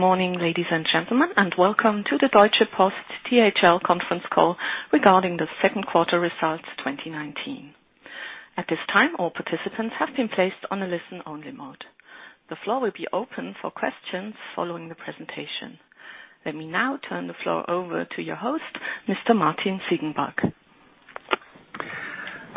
Morning, ladies and gentlemen, and welcome to the Deutsche Post DHL conference call regarding the second quarter results 2019. At this time, all participants have been placed on a listen-only mode. The floor will be open for questions following the presentation. Let me now turn the floor over to your host, Mr. Martin Ziegenbalg. Thank you.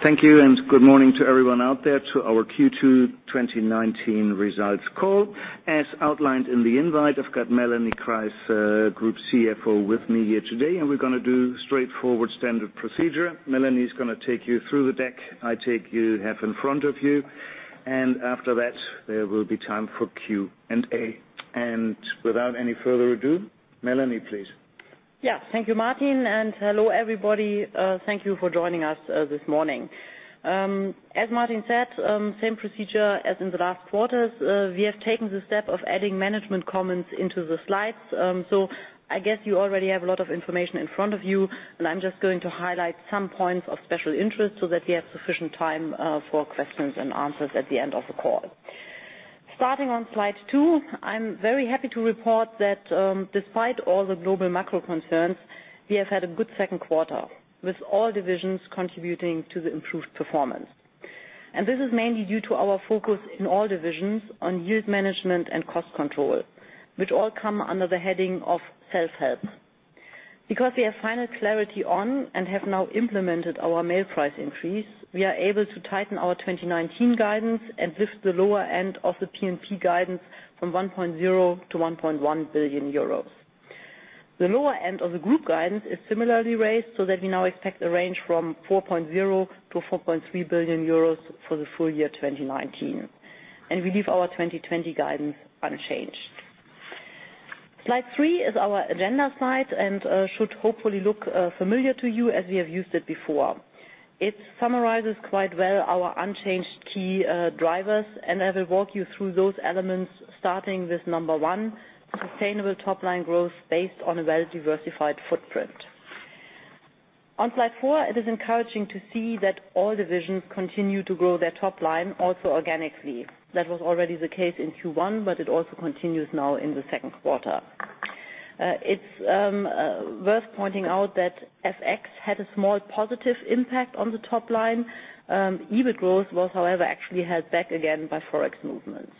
Good morning to everyone out there to our Q2 2019 results call. As outlined in the invite, I've got Melanie Kreis, Group CFO with me here today, and we're going to do straightforward standard procedure. Melanie is going to take you through the deck I take you have in front of you, and after that, there will be time for Q&A. Without any further ado, Melanie, please. Yeah. Thank you, Martin, and hello, everybody. Thank you for joining us this morning. As Martin said, same procedure as in the last quarters. We have taken the step of adding management comments into the slides. I guess you already have a lot of information in front of you, and I'm just going to highlight some points of special interest so that we have sufficient time for questions and answers at the end of the call. Starting on slide two, I'm very happy to report that despite all the global macro concerns, we have had a good second quarter, with all divisions contributing to the improved performance. This is mainly due to our focus in all divisions on yield management and cost control, which all come under the heading of self-help. We have final clarity on and have now implemented our mail price increase, we are able to tighten our 2019 guidance and lift the lower end of the P&P guidance from 1.0 billion-1.1 billion euros. The lower end of the group guidance is similarly raised so that we now expect a range from 4.0 billion-4.3 billion euros for the full year 2019, and we leave our 2020 guidance unchanged. Slide three is our agenda slide and should hopefully look familiar to you as we have used it before. It summarizes quite well our unchanged key drivers, and I will walk you through those elements starting with number one, sustainable top-line growth based on a well-diversified footprint. On slide four, it is encouraging to see that all divisions continue to grow their top line also organically. That was already the case in Q1, but it also continues now in the second quarter. It's worth pointing out that FX had a small positive impact on the top line. EBIT growth was, however, actually held back again by Forex movements.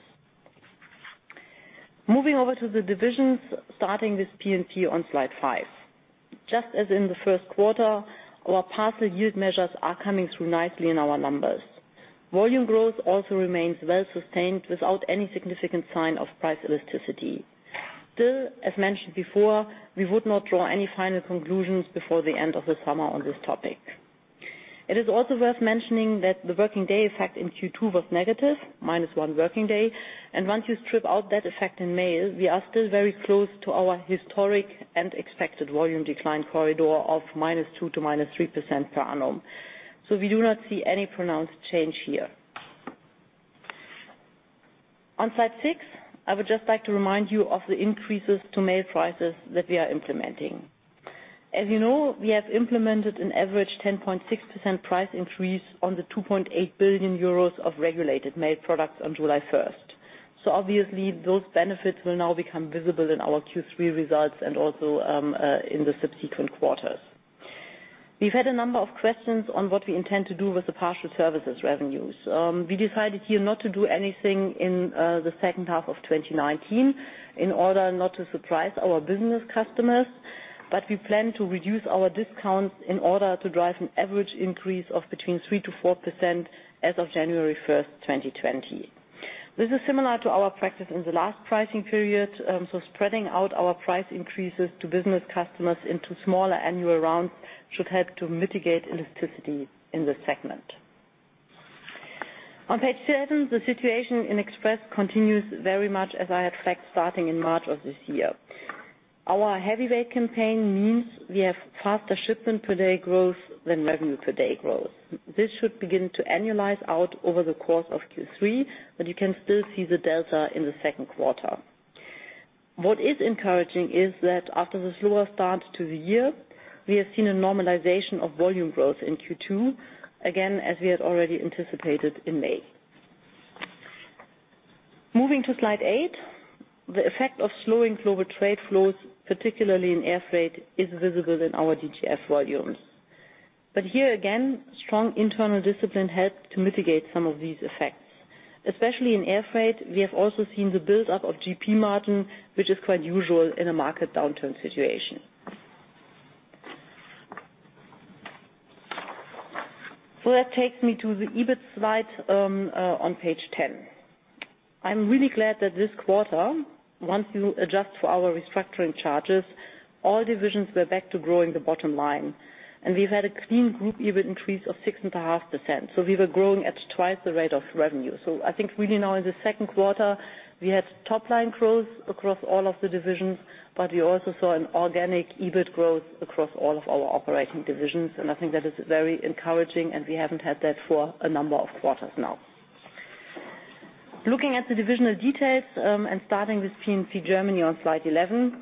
Moving over to the divisions, starting with P&P on slide five. Just as in the first quarter, our parcel yield measures are coming through nicely in our numbers. Volume growth also remains well-sustained without any significant sign of price elasticity. Still, as mentioned before, we would not draw any final conclusions before the end of the summer on this topic. It is also worth mentioning that the working day effect in Q2 was negative, minus one working day. Once you strip out that effect in mail, we are still very close to our historic and expected volume decline corridor of -2% to -3% per annum. We do not see any pronounced change here. On slide six, I would just like to remind you of the increases to mail prices that we are implementing. As you know, we have implemented an average 10.6% price increase on the 2.8 billion euros of regulated mail products on July 1st. Obviously, those benefits will now become visible in our Q3 results and also in the subsequent quarters. We've had a number of questions on what we intend to do with the parcel services revenues. We decided here not to do anything in the second half of 2019 in order not to surprise our business customers, but we plan to reduce our discounts in order to drive an average increase of between 3%-4% as of January 1st, 2020. This is similar to our practice in the last pricing period, spreading out our price increases to business customers into smaller annual rounds should help to mitigate elasticity in this segment. On page seven, the situation in Express continues very much as I had flagged starting in March of this year. Our heavyweight campaign means we have faster shipment per day growth than revenue per day growth. This should begin to annualize out over the course of Q3, but you can still see the delta in the second quarter. What is encouraging is that after the slower start to the year, we have seen a normalization of volume growth in Q2, again, as we had already anticipated in May. Moving to slide eight, the effect of slowing global trade flows, particularly in air freight, is visible in our DGF volumes. Here again, strong internal discipline helped to mitigate some of these effects. Especially in air freight, we have also seen the buildup of GP margin, which is quite usual in a market downturn situation. That takes me to the EBIT slide on page 10. I'm really glad that this quarter, once you adjust for our restructuring charges, all divisions were back to growing the bottom line, and we've had a clean group EBIT increase of 6.5%. We were growing at twice the rate of revenue. I think really now in the second quarter, we had top-line growth across all of the divisions, but we also saw an organic EBIT growth across all of our operating divisions, and I think that is very encouraging, and we haven't had that for a number of quarters now. Looking at the divisional details, starting with P&P Germany on slide 11.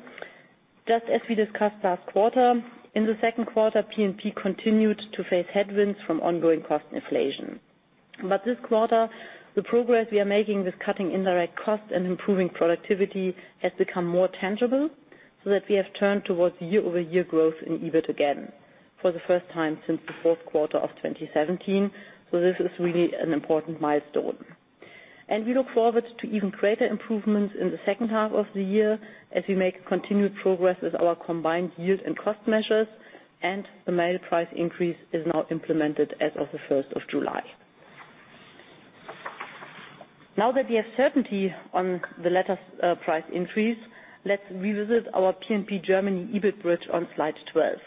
Just as we discussed last quarter, in the second quarter, P&P continued to face headwinds from ongoing cost inflation. This quarter, the progress we are making with cutting indirect costs and improving productivity has become more tangible, so that we have turned towards year-over-year growth in EBIT again for the first time since the fourth quarter of 2017. This is really an important milestone. We look forward to even greater improvements in the second half of the year as we make continued progress with our combined yield and cost measures, and the mail price increase is now implemented as of the 1st of July. Now that we have certainty on the letters price increase, let's revisit our P&P Germany EBIT bridge on slide 12.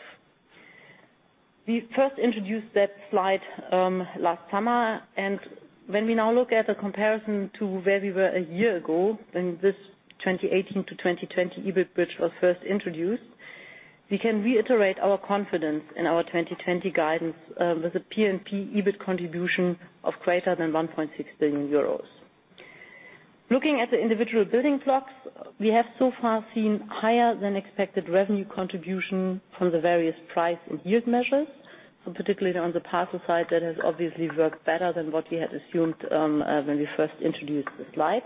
When we now look at a comparison to where we were a year ago, when this 2018 to 2020 EBIT bridge was first introduced, we can reiterate our confidence in our 2020 guidance, with a P&P EBIT contribution of greater than €1.6 billion. Looking at the individual building blocks, we have so far seen higher than expected revenue contribution from the various price and yield measures. Particularly on the parcel side, that has obviously worked better than what we had assumed when we first introduced the slide.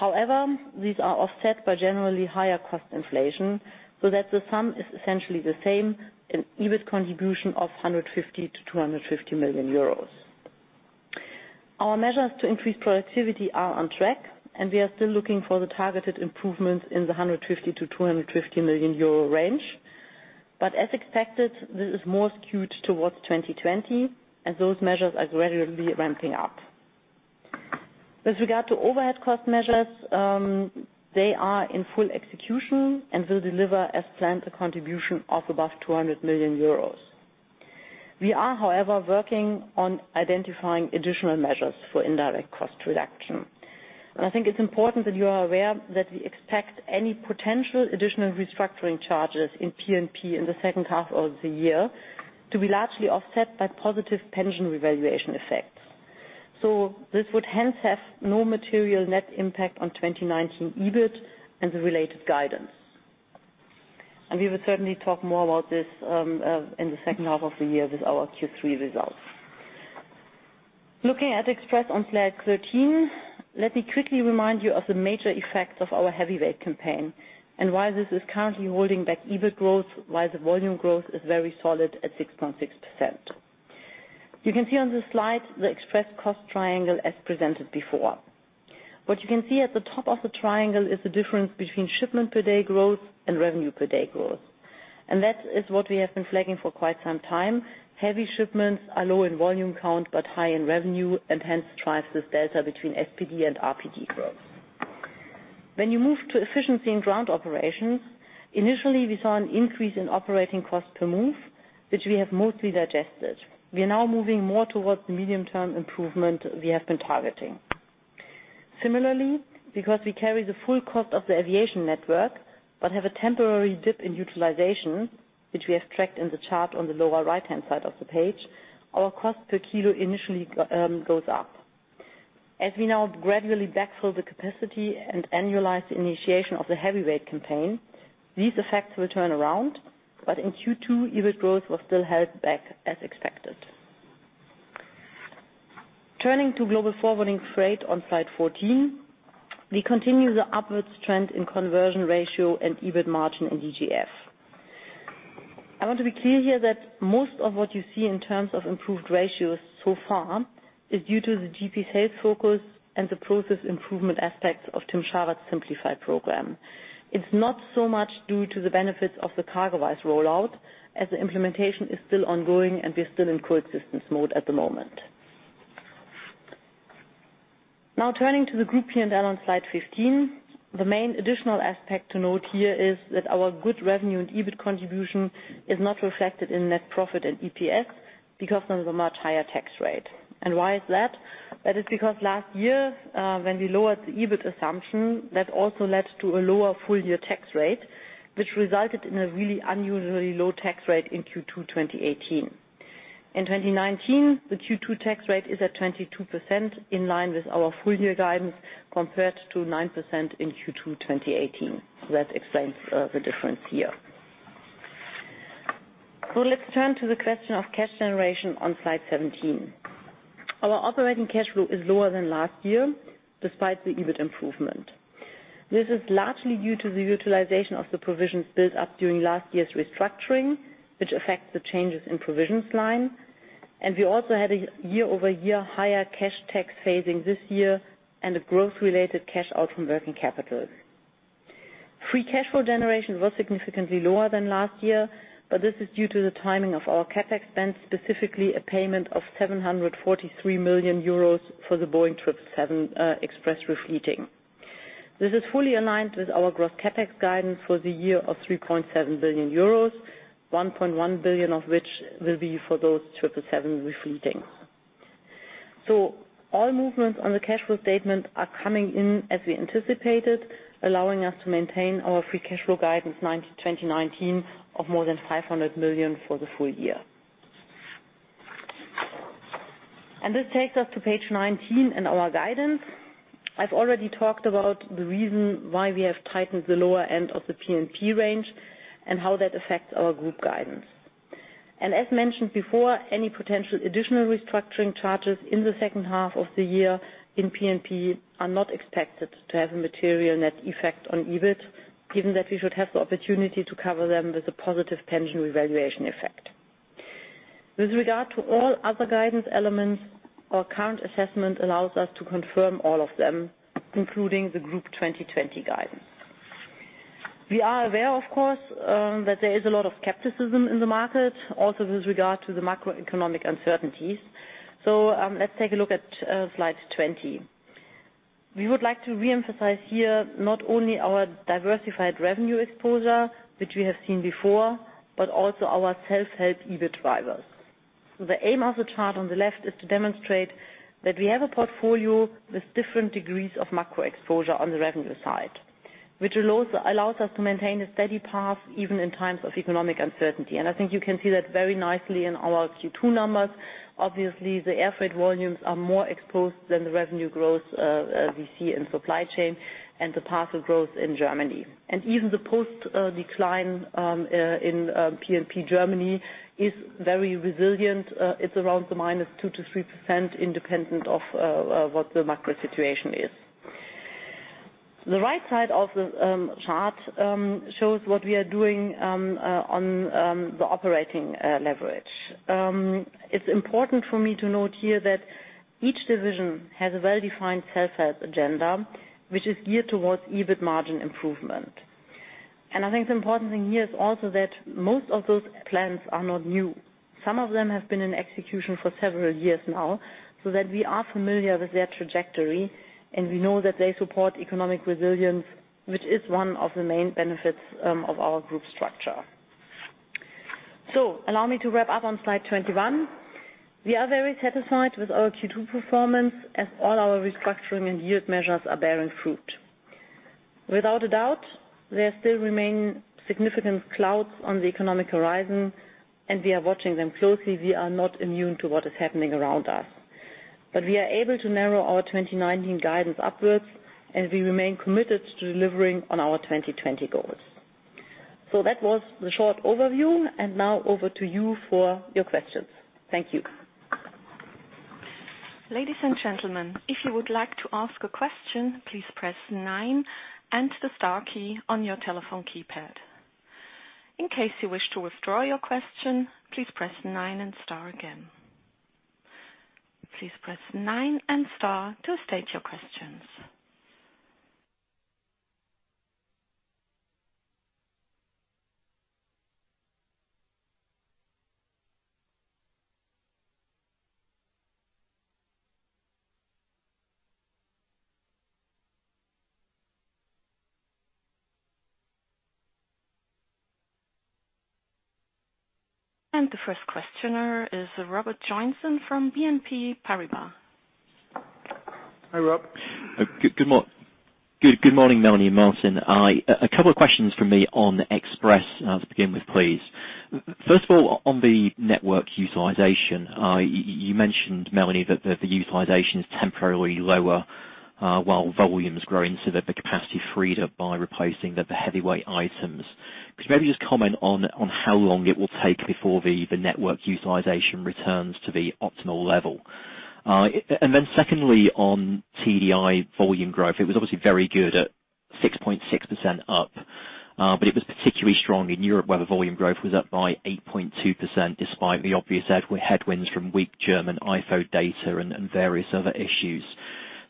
However, these are offset by generally higher cost inflation, that the sum is essentially the same, an EBIT contribution of €150 million-€250 million. Our measures to increase productivity are on track, we are still looking for the targeted improvements in the €150 million-€250 million range. As expected, this is more skewed towards 2020 as those measures are gradually ramping up. With regard to overhead cost measures, they are in full execution and will deliver as planned a contribution of above €200 million. We are, however, working on identifying additional measures for indirect cost reduction. I think it's important that you are aware that we expect any potential additional restructuring charges in P&P in the second half of the year to be largely offset by positive pension revaluation effects. This would hence have no material net impact on 2019 EBIT and the related guidance. We will certainly talk more about this, in the second half of the year with our Q3 results. Looking at Express on slide 13, let me quickly remind you of the major effects of our heavyweight campaign and why this is currently holding back EBIT growth while the volume growth is very solid at 6.6%. You can see on the slide the Express cost triangle as presented before. What you can see at the top of the triangle is the difference between shipment per day growth and revenue per day growth. That is what we have been flagging for quite some time. Heavy shipments are low in volume count but high in revenue and hence drives this delta between SPD and RPG growth. When you move to efficiency in ground operations, initially we saw an increase in operating cost per move, which we have mostly digested. We are now moving more towards the medium-term improvement we have been targeting. Because we carry the full cost of the aviation network but have a temporary dip in utilization, which we have tracked in the chart on the lower right-hand side of the page, our cost per kilo initially goes up. We now gradually backfill the capacity and annualize the initiation of the heavyweight campaign, these effects will turn around, but in Q2, EBIT growth was still held back as expected. Turning to Global Forwarding, Freight on slide 14, we continue the upwards trend in conversion ratio and EBIT margin in DGF. I want to be clear here that most of what you see in terms of improved ratios so far is due to the GP sales focus and the process improvement aspects of Tim Scharwath's Simplify program. It's not so much due to the benefits of the CargoWise rollout, as the implementation is still ongoing and we're still in coexistence mode at the moment. Turning to the group P&L on slide 15, the main additional aspect to note here is that our good revenue and EBIT contribution is not reflected in net profit and EPS because there is a much higher tax rate. Why is that? That is because last year, when we lowered the EBIT assumption, that also led to a lower full-year tax rate, which resulted in a really unusually low tax rate in Q2 2018. In 2019, the Q2 tax rate is at 22%, in line with our full-year guidance, compared to 9% in Q2 2018. That explains the difference here. Let's turn to the question of cash generation on slide 17. Our operating cash flow is lower than last year, despite the EBIT improvement. This is largely due to the utilization of the provisions built up during last year's restructuring, which affects the changes in provisions line. We also had a year-over-year higher cash tax phasing this year and a growth-related cash out from working capital. Free cash flow generation was significantly lower than last year, but this is due to the timing of our CapEx spend, specifically a payment of 743 million euros for the Boeing 777 Express refleeting. This is fully aligned with our gross CapEx guidance for the year of 3.7 billion euros, 1.1 billion of which will be for those 777 refleeting. All movements on the cash flow statement are coming in as we anticipated, allowing us to maintain our free cash flow guidance 2019 of more than 500 million for the full year. This takes us to page 19 in our guidance. I've already talked about the reason why we have tightened the lower end of the P&P range and how that affects our group guidance. As mentioned before, any potential additional restructuring charges in the second half of the year in P&P are not expected to have a material net effect on EBIT, given that we should have the opportunity to cover them with a positive pension revaluation effect. With regard to all other guidance elements, our current assessment allows us to confirm all of them, including the Group 2020 guidance. We are aware, of course, that there is a lot of skepticism in the market, also with regard to the macroeconomic uncertainties. Let's take a look at slide 20. We would like to reemphasize here not only our diversified revenue exposure, which we have seen before, but also our self-help EBIT drivers. The aim of the chart on the left is to demonstrate that we have a portfolio with different degrees of macro exposure on the revenue side, which allows us to maintain a steady path even in times of economic uncertainty. I think you can see that very nicely in our Q2 numbers. Obviously, the air freight volumes are more exposed than the revenue growth we see in Supply Chain and the parcel growth in Germany. Even the post decline in P&P Germany is very resilient. It's around the minus 2% to 3% independent of what the macro situation is. The right side of the chart shows what we are doing on the operating leverage. It's important for me to note here that each division has a well-defined self-help agenda, which is geared towards EBIT margin improvement. I think the important thing here is also that most of those plans are not new. Some of them have been in execution for several years now, so that we are familiar with their trajectory, and we know that they support economic resilience, which is one of the main benefits of our group structure. Allow me to wrap up on slide 21. We are very satisfied with our Q2 performance as all our restructuring and yield measures are bearing fruit. Without a doubt, there still remain significant clouds on the economic horizon, and we are watching them closely. We are not immune to what is happening around us. We are able to narrow our 2019 guidance upwards, and we remain committed to delivering on our 2020 goals. That was the short overview, and now over to you for your questions. Thank you. Ladies and gentlemen, if you would like to ask a question, please press nine and the star key on your telephone keypad. In case you wish to withdraw your question, please press nine and star again. Please press nine and star to state your questions. The first questioner is Robert Joynson from BNP Paribas. Hi, Rob. Good morning, Melanie and Martin. A couple of questions from me on Express to begin with, please. First of all, on the network utilization, you mentioned, Melanie, that the utilization is temporarily lower, while volume is growing so that the capacity freed up by replacing the heavyweight items. Could you maybe just comment on how long it will take before the network utilization returns to the optimal level? Secondly, on TDI volume growth, it was obviously very good at 6.6% up, but it was particularly strong in Europe where the volume growth was up by 8.2%, despite the obvious headwinds from weak German Ifo data and various other issues.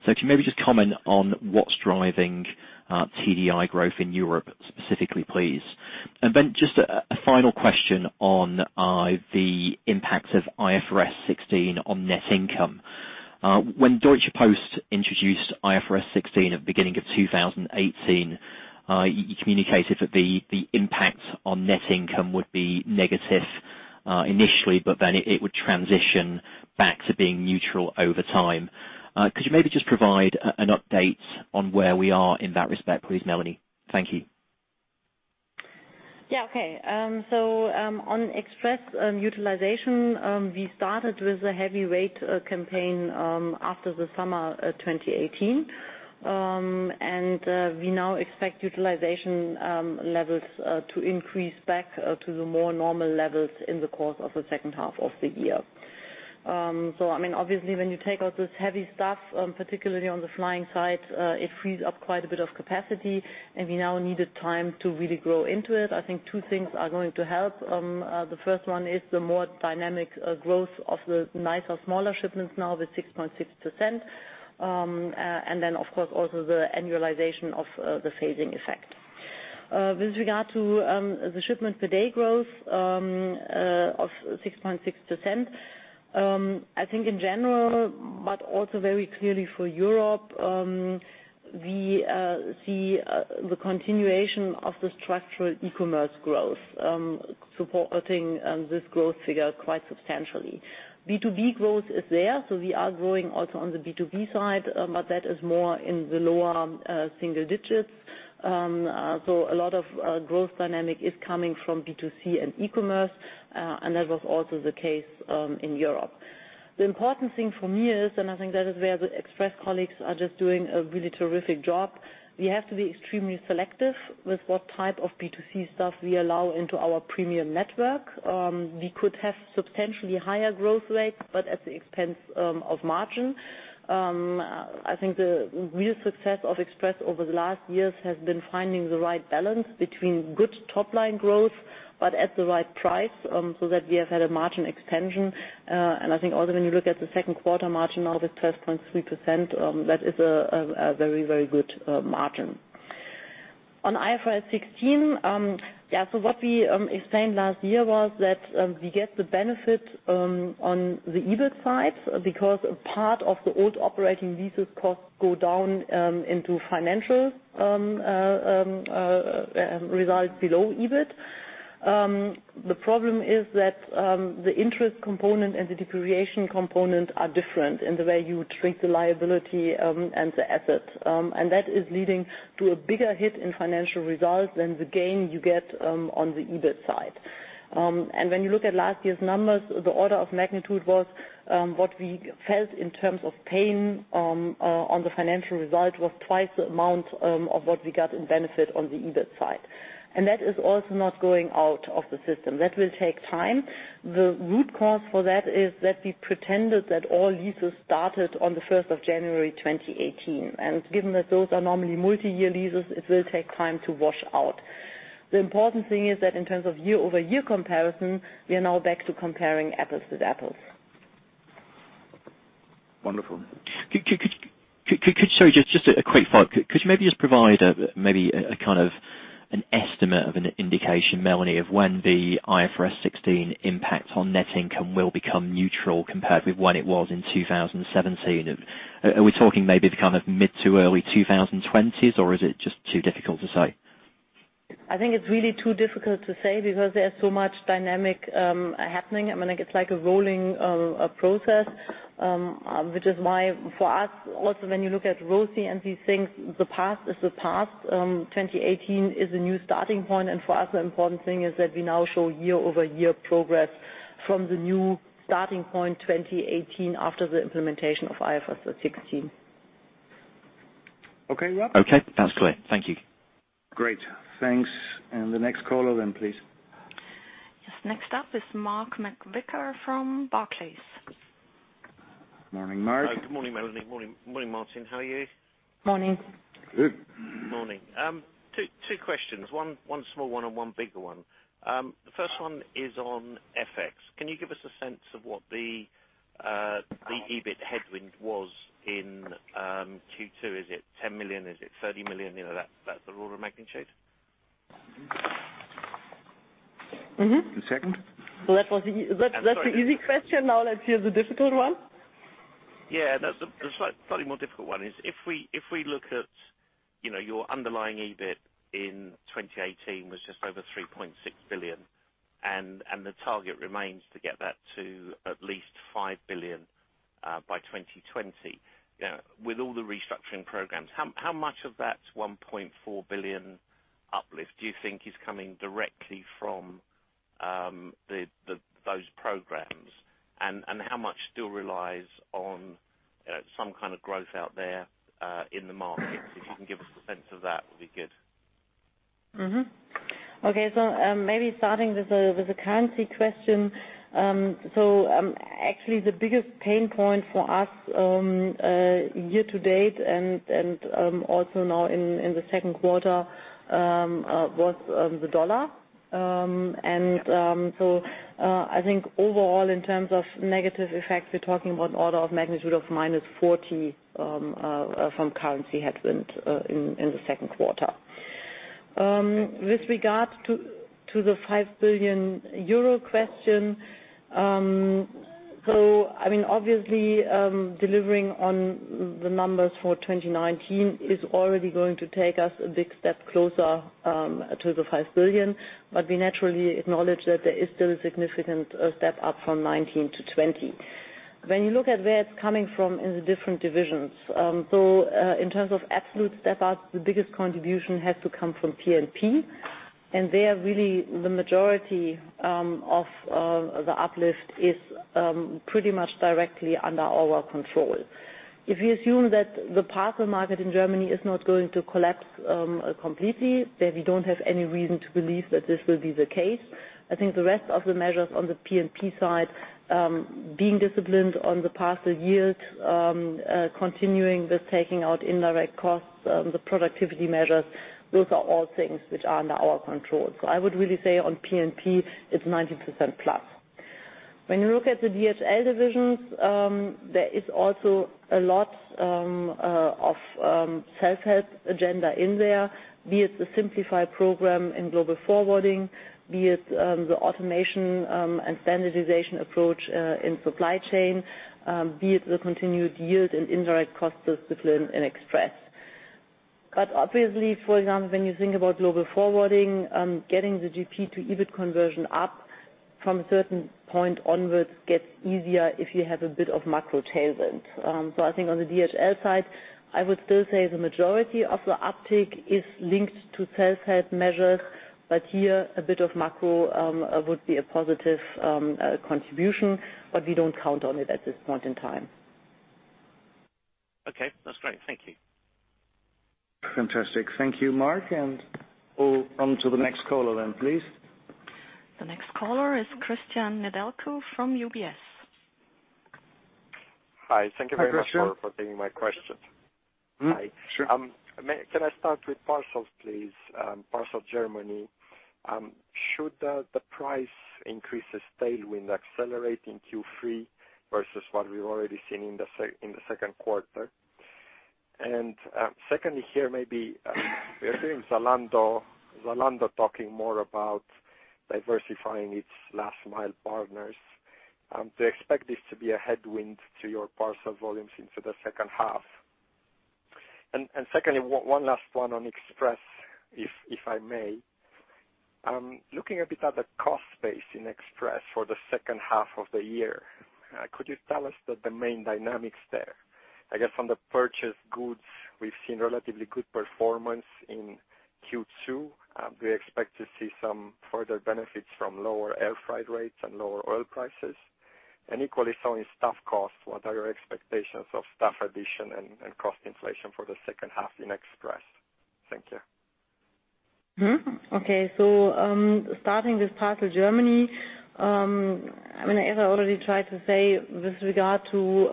If you maybe just comment on what's driving TDI growth in Europe specifically, please. Just a final question on the impact of IFRS 16 on net income. When Deutsche Post introduced IFRS 16 at the beginning of 2018, you communicated that the impact on net income would be negative initially. It would transition back to being neutral over time. Could you maybe just provide an update on where we are in that respect, please, Melanie? Thank you. On Express utilization, we started with a heavyweight campaign after the summer of 2018. We now expect utilization levels to increase back to the more normal levels in the course of the second half of the year. Obviously, when you take out this heavy stuff, particularly on the flying side, it frees up quite a bit of capacity, and we now needed time to really grow into it. I think two things are going to help. The first one is the more dynamic growth of the nicer, smaller shipments now with 6.6%. Then, of course, also the annualization of the phasing effect. With regard to the shipment per day growth of 6.6%, I think in general, but also very clearly for Europe, we see the continuation of the structural e-commerce growth, supporting this growth figure quite substantially. B2B growth is there, so we are growing also on the B2B side, but that is more in the lower single digits. A lot of growth dynamic is coming from B2C and e-commerce, and that was also the case in Europe. The important thing for me is, and I think that is where the Express colleagues are just doing a really terrific job, we have to be extremely selective with what type of B2C stuff we allow into our premium network. We could have substantially higher growth rates, but at the expense of margin. I think the real success of Express over the last years has been finding the right balance between good top-line growth, but at the right price, so that we have had a margin extension. I think also when you look at the second quarter margin, now with 12.3%, that is a very good margin. What we explained last year was that we get the benefit on the EBIT side because part of the old operating leases costs go down into financial results below EBIT. The problem is that the interest component and the depreciation component are different in the way you treat the liability and the assets. That is leading to a bigger hit in financial results than the gain you get on the EBIT side. When you look at last year's numbers, the order of magnitude was what we felt in terms of pain on the financial result was twice the amount of what we got in benefit on the EBIT side. That is also not going out of the system. That will take time. The root cause for that is that we pretended that all leases started on the 1st of January 2018. Given that those are normally multi-year leases, it will take time to wash out. The important thing is that in terms of year-over-year comparison, we are now back to comparing apples with apples. Wonderful. Could you, sorry, just a quick thought. Could you maybe just provide maybe an estimate of an indication, Melanie, of when the IFRS 16 impact on net income will become neutral compared with when it was in 2017? Are we talking maybe the mid to early 2020s, or is it just too difficult to say? I think it's really too difficult to say because there's so much dynamic happening. It's like a rolling process, which is why for us also, when you look at ROCE and these things, the past is the past. 2018 is a new starting point. For us, the important thing is that we now show year-over-year progress from the new starting point, 2018, after the implementation of IFRS 16. Okay, Rob? Okay. That's clear. Thank you. Great. Thanks. The next caller then, please. Yes, next up is Mark McVicar from Barclays. Morning, Mark. Good morning, Melanie. Morning, Martin. How are you? Morning. Good. Morning. Two questions. One small one and one bigger one. The first one is on FX. Can you give us a sense of what the EBIT headwind was in Q2? Is it 10 million? Is it 30 million? That order of magnitude? The second? That's the easy question. Now let's hear the difficult one. Yeah. The slightly more difficult one is, if we look at your underlying EBIT in 2018 was just over 3.6 billion, and the target remains to get that to at least 5 billion, by 2020. With all the restructuring programs, how much of that 1.4 billion uplift do you think is coming directly from those programs, and how much still relies on some kind of growth out there, in the market? If you can give us a sense of that would be good. Okay. Maybe starting with the currency question. Actually the biggest pain point for us year to date and also now in the second quarter, was the U.S. dollar. I think overall in terms of negative effects, we are talking about order of magnitude of -40 from currency headwind in the second quarter. With regard to the 5 billion euro question, obviously, delivering on the numbers for 2019 is already going to take us a big step closer to the 5 billion, We naturally acknowledge that there is still a significant step up from 2019 to 2020. When you look at where it's coming from in the different divisions, in terms of absolute step up, the biggest contribution had to come from P&P, There, really the majority of the uplift is pretty much directly under our control. If you assume that the parcel market in Germany is not going to collapse completely, that we don't have any reason to believe that this will be the case, I think the rest of the measures on the P&P side, being disciplined on the parcel yield, continuing with taking out indirect costs, the productivity measures, those are all things which are under our control. I would really say on P&P, it's 90% plus. When you look at the DHL divisions, there is also a lot of self-help agenda in there. Be it the Simplify program in Global Forwarding, be it the automation and standardization approach in Supply Chain, be it the continued yield and indirect cost discipline in Express. Obviously, for example, when you think about Global Forwarding, getting the GP to EBIT conversion up from a certain point onwards, gets easier if you have a bit of macro tailwind. I think on the DHL side, I would still say the majority of the uptick is linked to sales head measures, but here a bit of macro would be a positive contribution, but we don't count on it at this point in time. Okay. That's great. Thank you. Fantastic. Thank you, Mark. We'll come to the next caller then, please. The next caller is Cristian Nedelcu from UBS. Hi. Thank you very much- Hi, Cristian. for taking my question. Mm-hmm. Sure. Can I start with Parcel Germany, please? Should the price increases tailwind accelerate in Q3 versus what we've already seen in the second quarter? Secondly, here, maybe, we are hearing Zalando talking more about diversifying its last mile partners. Do you expect this to be a headwind to your parcel volumes into the second half? Secondly, one last one on Express, if I may. Looking a bit at the cost base in Express for the second half of the year, could you tell us the main dynamics there? I guess from the purchase goods, we've seen relatively good performance in Q2. Do you expect to see some further benefits from lower air freight rates and lower oil prices? Equally, so in staff costs, what are your expectations of staff addition and cost inflation for the second half in Express? Thank you. Okay. Starting with Parcel Germany. As I already tried to say with regard to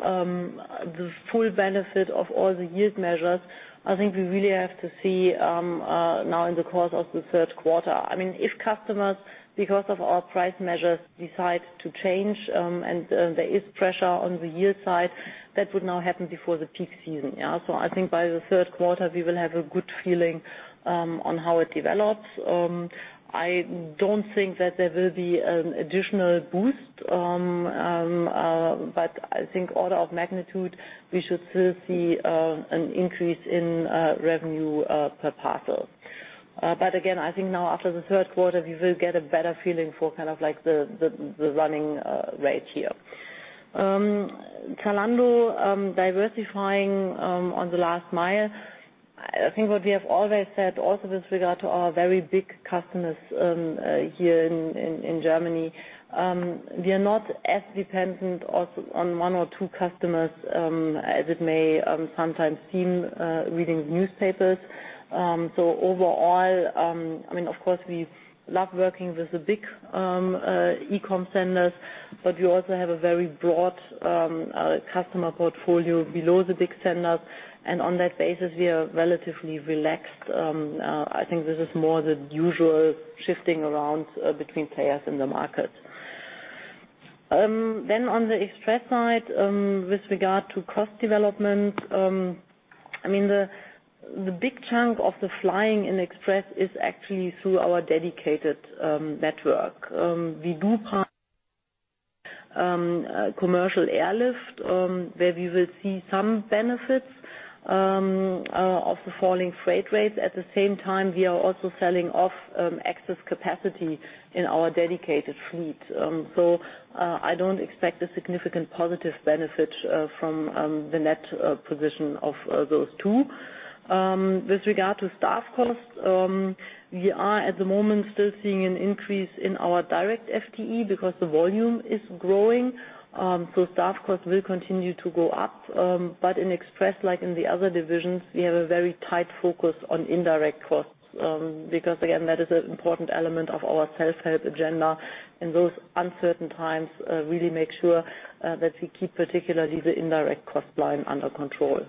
the full benefit of all the yield measures, I think we really have to see now in the course of the third quarter. If customers, because of our price measures, decide to change, and there is pressure on the yield side, that would now happen before the peak season. I think by the third quarter, we will have a good feeling on how it develops. I don't think that there will be an additional boost, but I think order of magnitude, we should still see an increase in revenue per parcel. Again, I think now after the third quarter, we will get a better feeling for the running rate here. Zalando diversifying on the last mile. I think what we have always said, also with regard to our very big customers here in Germany, we are not as dependent on one or two customers as it may sometimes seem reading the newspapers. Overall, of course, we love working with the big e-com centers, but we also have a very broad customer portfolio below the big centers. On that basis, we are relatively relaxed. I think this is more the usual shifting around between players in the market. On the Express side, with regard to cost development. The big chunk of the flying in Express is actually through our dedicated network. We do commercial airlift, where we will see some benefits of the falling freight rates. At the same time, we are also selling off excess capacity in our dedicated fleet. I don't expect a significant positive benefit from the net position of those two. With regard to staff costs, we are at the moment still seeing an increase in our direct FTE because the volume is growing. Staff costs will continue to go up, but in Express, like in the other divisions, we have a very tight focus on indirect costs. Again, that is an important element of our self-help agenda in those uncertain times, really make sure that we keep particularly the indirect cost line under control.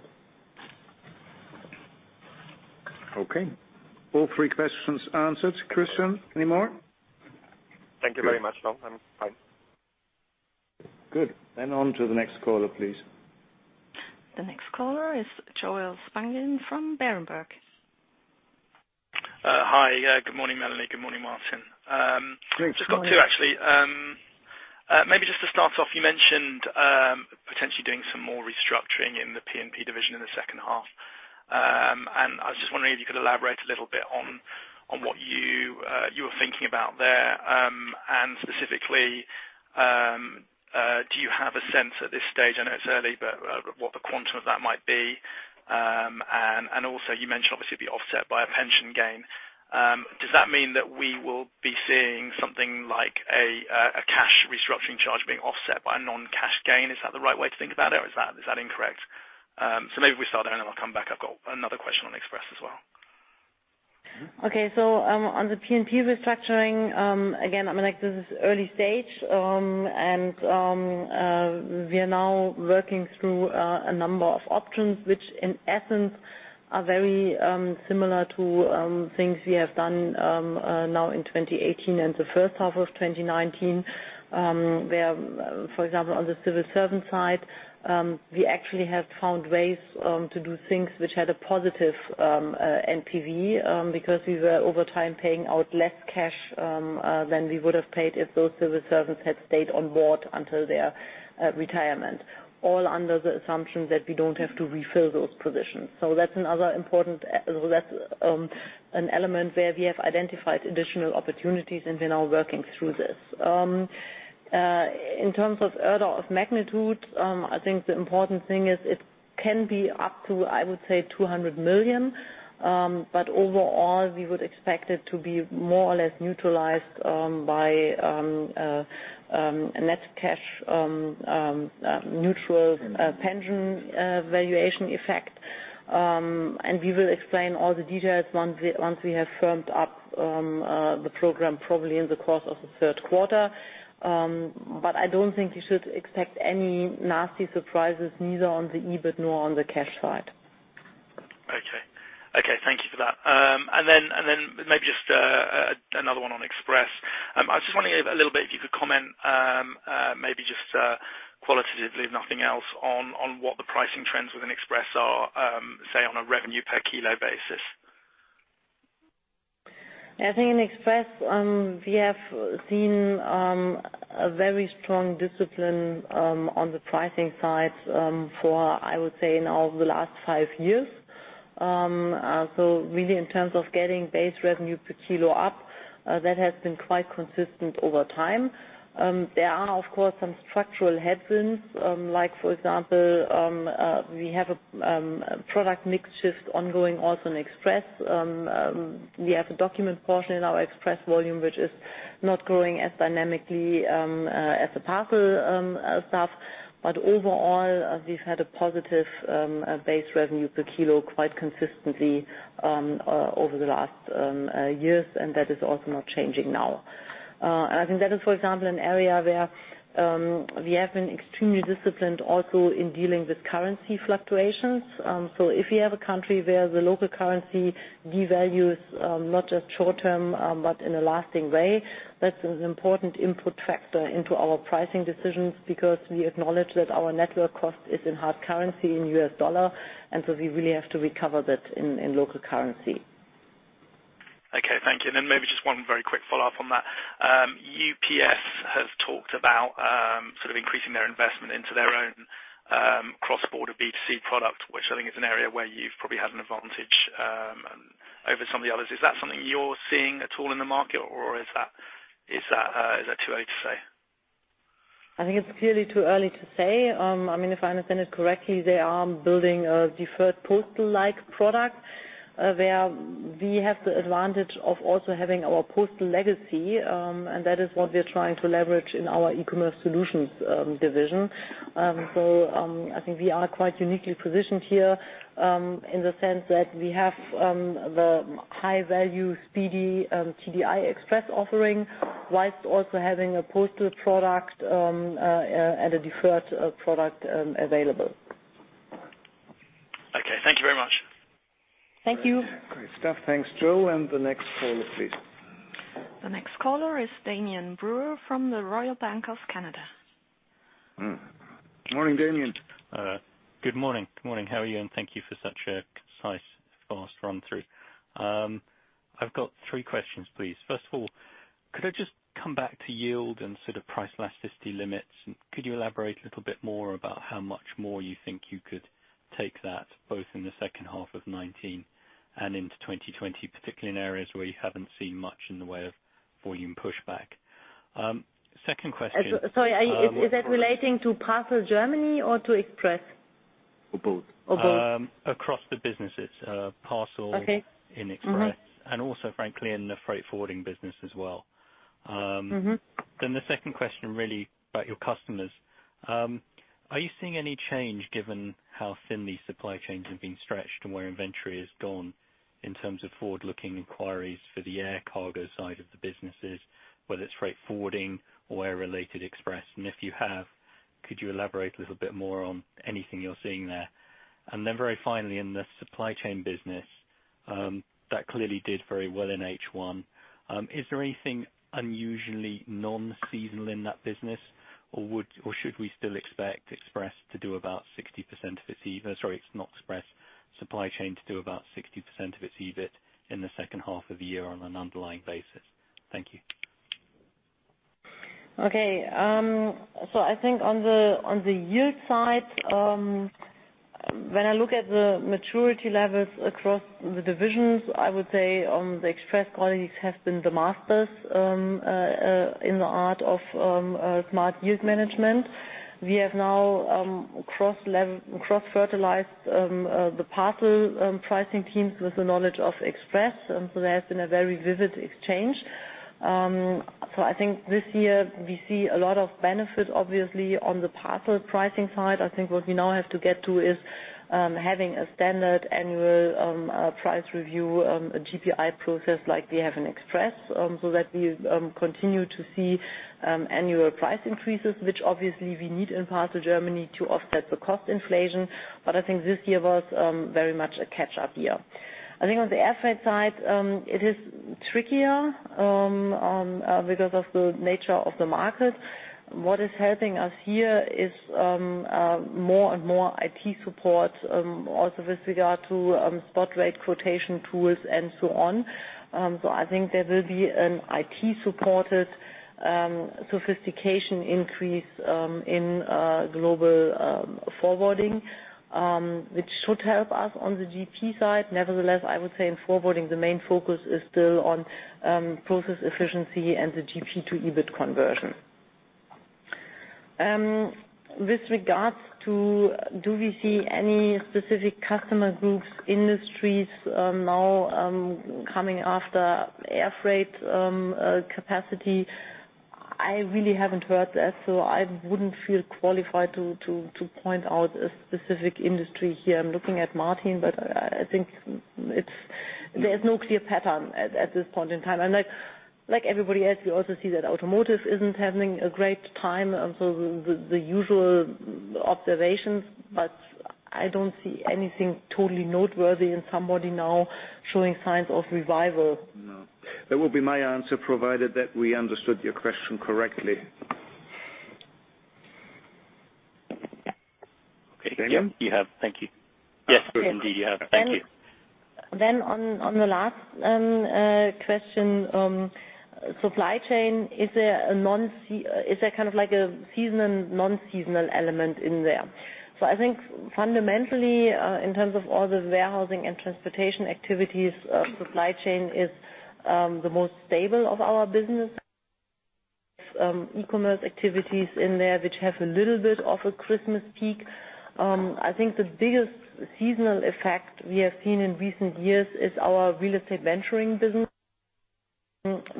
Okay. All three questions answered. Christian, any more? Thank you very much. No, I'm fine. Good. On to the next caller, please. The next caller is Joel Spungin from Berenberg. Hi. Good morning, Melanie. Good morning, Martin. Good morning. Just got two, actually. Maybe just to start off, you mentioned potentially doing some more restructuring in the P&P division in the second half. I was just wondering if you could elaborate a little bit on what you were thinking about there, and specifically, do you have a sense at this stage, I know it's early, but what the quantum of that might be? Also you mentioned obviously it'd be offset by a pension gain. Does that mean that we will be seeing something like a cash restructuring charge being offset by a non-cash gain? Is that incorrect? Maybe we start there and then I'll come back. I've got another question on Express as well. Okay. On the P&P restructuring, again, this is early stage. We are now working through a number of options, which in essence are very similar to things we have done now in 2018 and the first half of 2019, where, for example, on the civil servant side, we actually have found ways to do things which had a positive NPV because we were over time paying out less cash than we would have paid if those civil servants had stayed on board until their retirement, all under the assumption that we don't have to refill those positions. That's an element where we have identified additional opportunities, and we're now working through this. In terms of order of magnitude, I think the important thing is it can be up to, I would say, 200 million. Overall, we would expect it to be more or less neutralized by a net cash neutral pension valuation effect. We will explain all the details once we have firmed up the program, probably in the course of the third quarter. I don't think you should expect any nasty surprises, neither on the EBIT nor on the cash side. Okay. Thank you for that. Then maybe just another one on Express. I was just wondering a little bit, if you could comment, maybe just qualitatively, if nothing else, on what the pricing trends within Express are, say, on a revenue per kilo basis. I think in Express, we have seen a very strong discipline on the pricing side for, I would say, now the last five years. Really in terms of getting base revenue per kilo up, that has been quite consistent over time. There are, of course, some structural headwinds, like for example, we have a product mix shift ongoing also in Express. We have a document portion in our Express volume, which is not growing as dynamically as the parcel stuff. Overall, we've had a positive base revenue per kilo quite consistently over the last years, and that is also not changing now. I think that is, for example, an area where we have been extremely disciplined also in dealing with currency fluctuations. If you have a country where the local currency devalues not just short-term, but in a lasting way, that's an important input factor into our pricing decisions because we acknowledge that our network cost is in hard currency, in U.S. dollar, and so we really have to recover that in local currency. Okay, thank you. Maybe just one very quick follow-up on that. UPS has talked about sort of increasing their investment into their own cross-border B2C product, which I think is an area where you've probably had an advantage over some of the others. Is that something you're seeing at all in the market, or is that too early to say? I think it's clearly too early to say. If I understand it correctly, they are building a deferred postal-like product, where we have the advantage of also having our postal legacy, and that is what we're trying to leverage in our eCommerce Solutions division. I think we are quite uniquely positioned here in the sense that we have the high-value, speedy TDI Express offering, whilst also having a postal product and a deferred product available. Okay, thank you very much. Thank you. Great stuff. Thanks, Joel. The next caller, please. The next caller is Damian Brewer from the Royal Bank of Canada. Morning, Damian. Good morning. How are you? Thank you for such a concise, fast run through. I've got three questions, please. First of all, could I just come back to yield and sort of price elasticity limits? Could you elaborate a little bit more about how much more you think you could take that, both in the second half of 2019 and into 2020, particularly in areas where you haven't seen much in the way of volume pushback? Second question. Sorry, is that relating to Parcel Germany or to Express? Both. Both. Across the businesses, Parcel. Okay. In Express, and also, frankly, in the freight forwarding business as well. The second question, really about your customers. Are you seeing any change, given how thin these supply chains have been stretched and where inventory has gone in terms of forward-looking inquiries for the air cargo side of the businesses, whether it's freight forwarding or air-related Express? If you have, could you elaborate a little bit more on anything you're seeing there? Very finally, in the Supply Chain business, that clearly did very well in H1. Is there anything unusually non-seasonal in that business? Should we still expect Supply Chain to do about 60% of its EBIT in the second half of the year on an underlying basis? Thank you. I think on the yield side, when I look at the maturity levels across the divisions, I would say the Express colleagues have been the masters in the art of smart yield management. We have now cross-fertilized the parcel pricing teams with the knowledge of Express, so there has been a very vivid exchange. I think this year we see a lot of benefit, obviously, on the parcel pricing side. I think what we now have to get to is having a standard annual price review, a GPI process like we have in Express, so that we continue to see annual price increases, which obviously we need in Parcel Germany to offset the cost inflation. I think this year was very much a catch-up year. I think on the air freight side, it is trickier because of the nature of the market. What is helping us here is more and more IT support, also with regard to spot rate quotation tools and so on. I think there will be an IT-supported sophistication increase in Global Forwarding, which should help us on the GP side. Nevertheless, I would say in Global Forwarding, the main focus is still on process efficiency and the GP to EBIT conversion. With regards to do we see any specific customer groups, industries now coming after air freight capacity, I really haven't heard that, so I wouldn't feel qualified to point out a specific industry here. I'm looking at Martin, but I think there's no clear pattern at this point in time. Like everybody else, we also see that automotive isn't having a great time, and so the usual observations, but I don't see anything totally noteworthy and somebody now showing signs of revival. No. That would be my answer, provided that we understood your question correctly. Okay. Damian? Yep, you have. Thank you. Yes, indeed, you have. Thank you. On the last question, Supply Chain, is there a kind of like a season and non-seasonal element in there? I think fundamentally, in terms of all the warehousing and transportation activities, Supply Chain is the most stable of our business. eCommerce activities in there which have a little bit of a Christmas peak. I think the biggest seasonal effect we have seen in recent years is our real estate venturing business,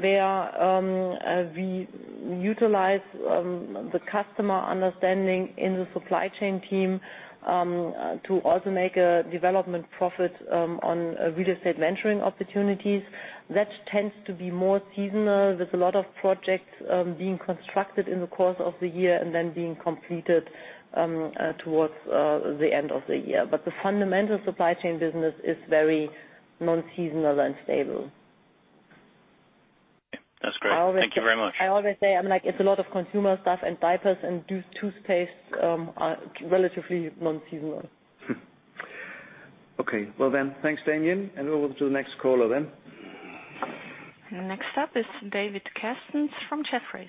where we utilize the customer understanding in the Supply Chain team, to also make a development profit on real estate venturing opportunities. That tends to be more seasonal with a lot of projects being constructed in the course of the year and then being completed towards the end of the year. The fundamental Supply Chain business is very non-seasonal and stable. That's great. Thank you very much. I always say, it's a lot of consumer stuff and diapers and toothpaste are relatively non-seasonal. Okay. Thanks, Daniel. Over to the next caller then. Next up is David Kerstens from Jefferies.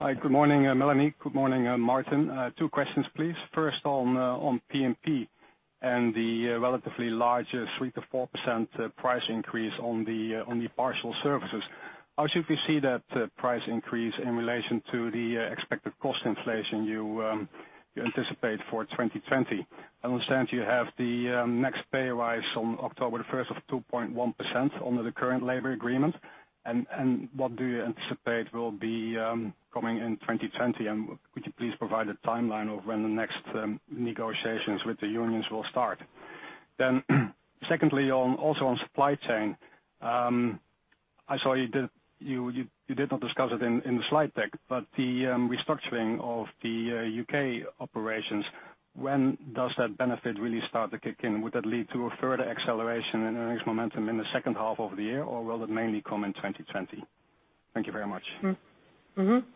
Hi. Good morning, Melanie. Good morning, Martin. Two questions, please. First on P&P and the relatively large 3%-4% price increase on the parcel services. How should we see that price increase in relation to the expected cost inflation you anticipate for 2020? I understand you have the next pay rise on October 1st of 2.1% under the current labor agreement, and what do you anticipate will be coming in 2020, and could you please provide a timeline of when the next negotiations with the unions will start? Secondly, also on Supply Chain. I saw you did not discuss it in the slide deck, but the restructuring of the U.K. operations, when does that benefit really start to kick in? Would that lead to a further acceleration in earnings momentum in the second half of the year, or will it mainly come in 2020? Thank you very much. Okay.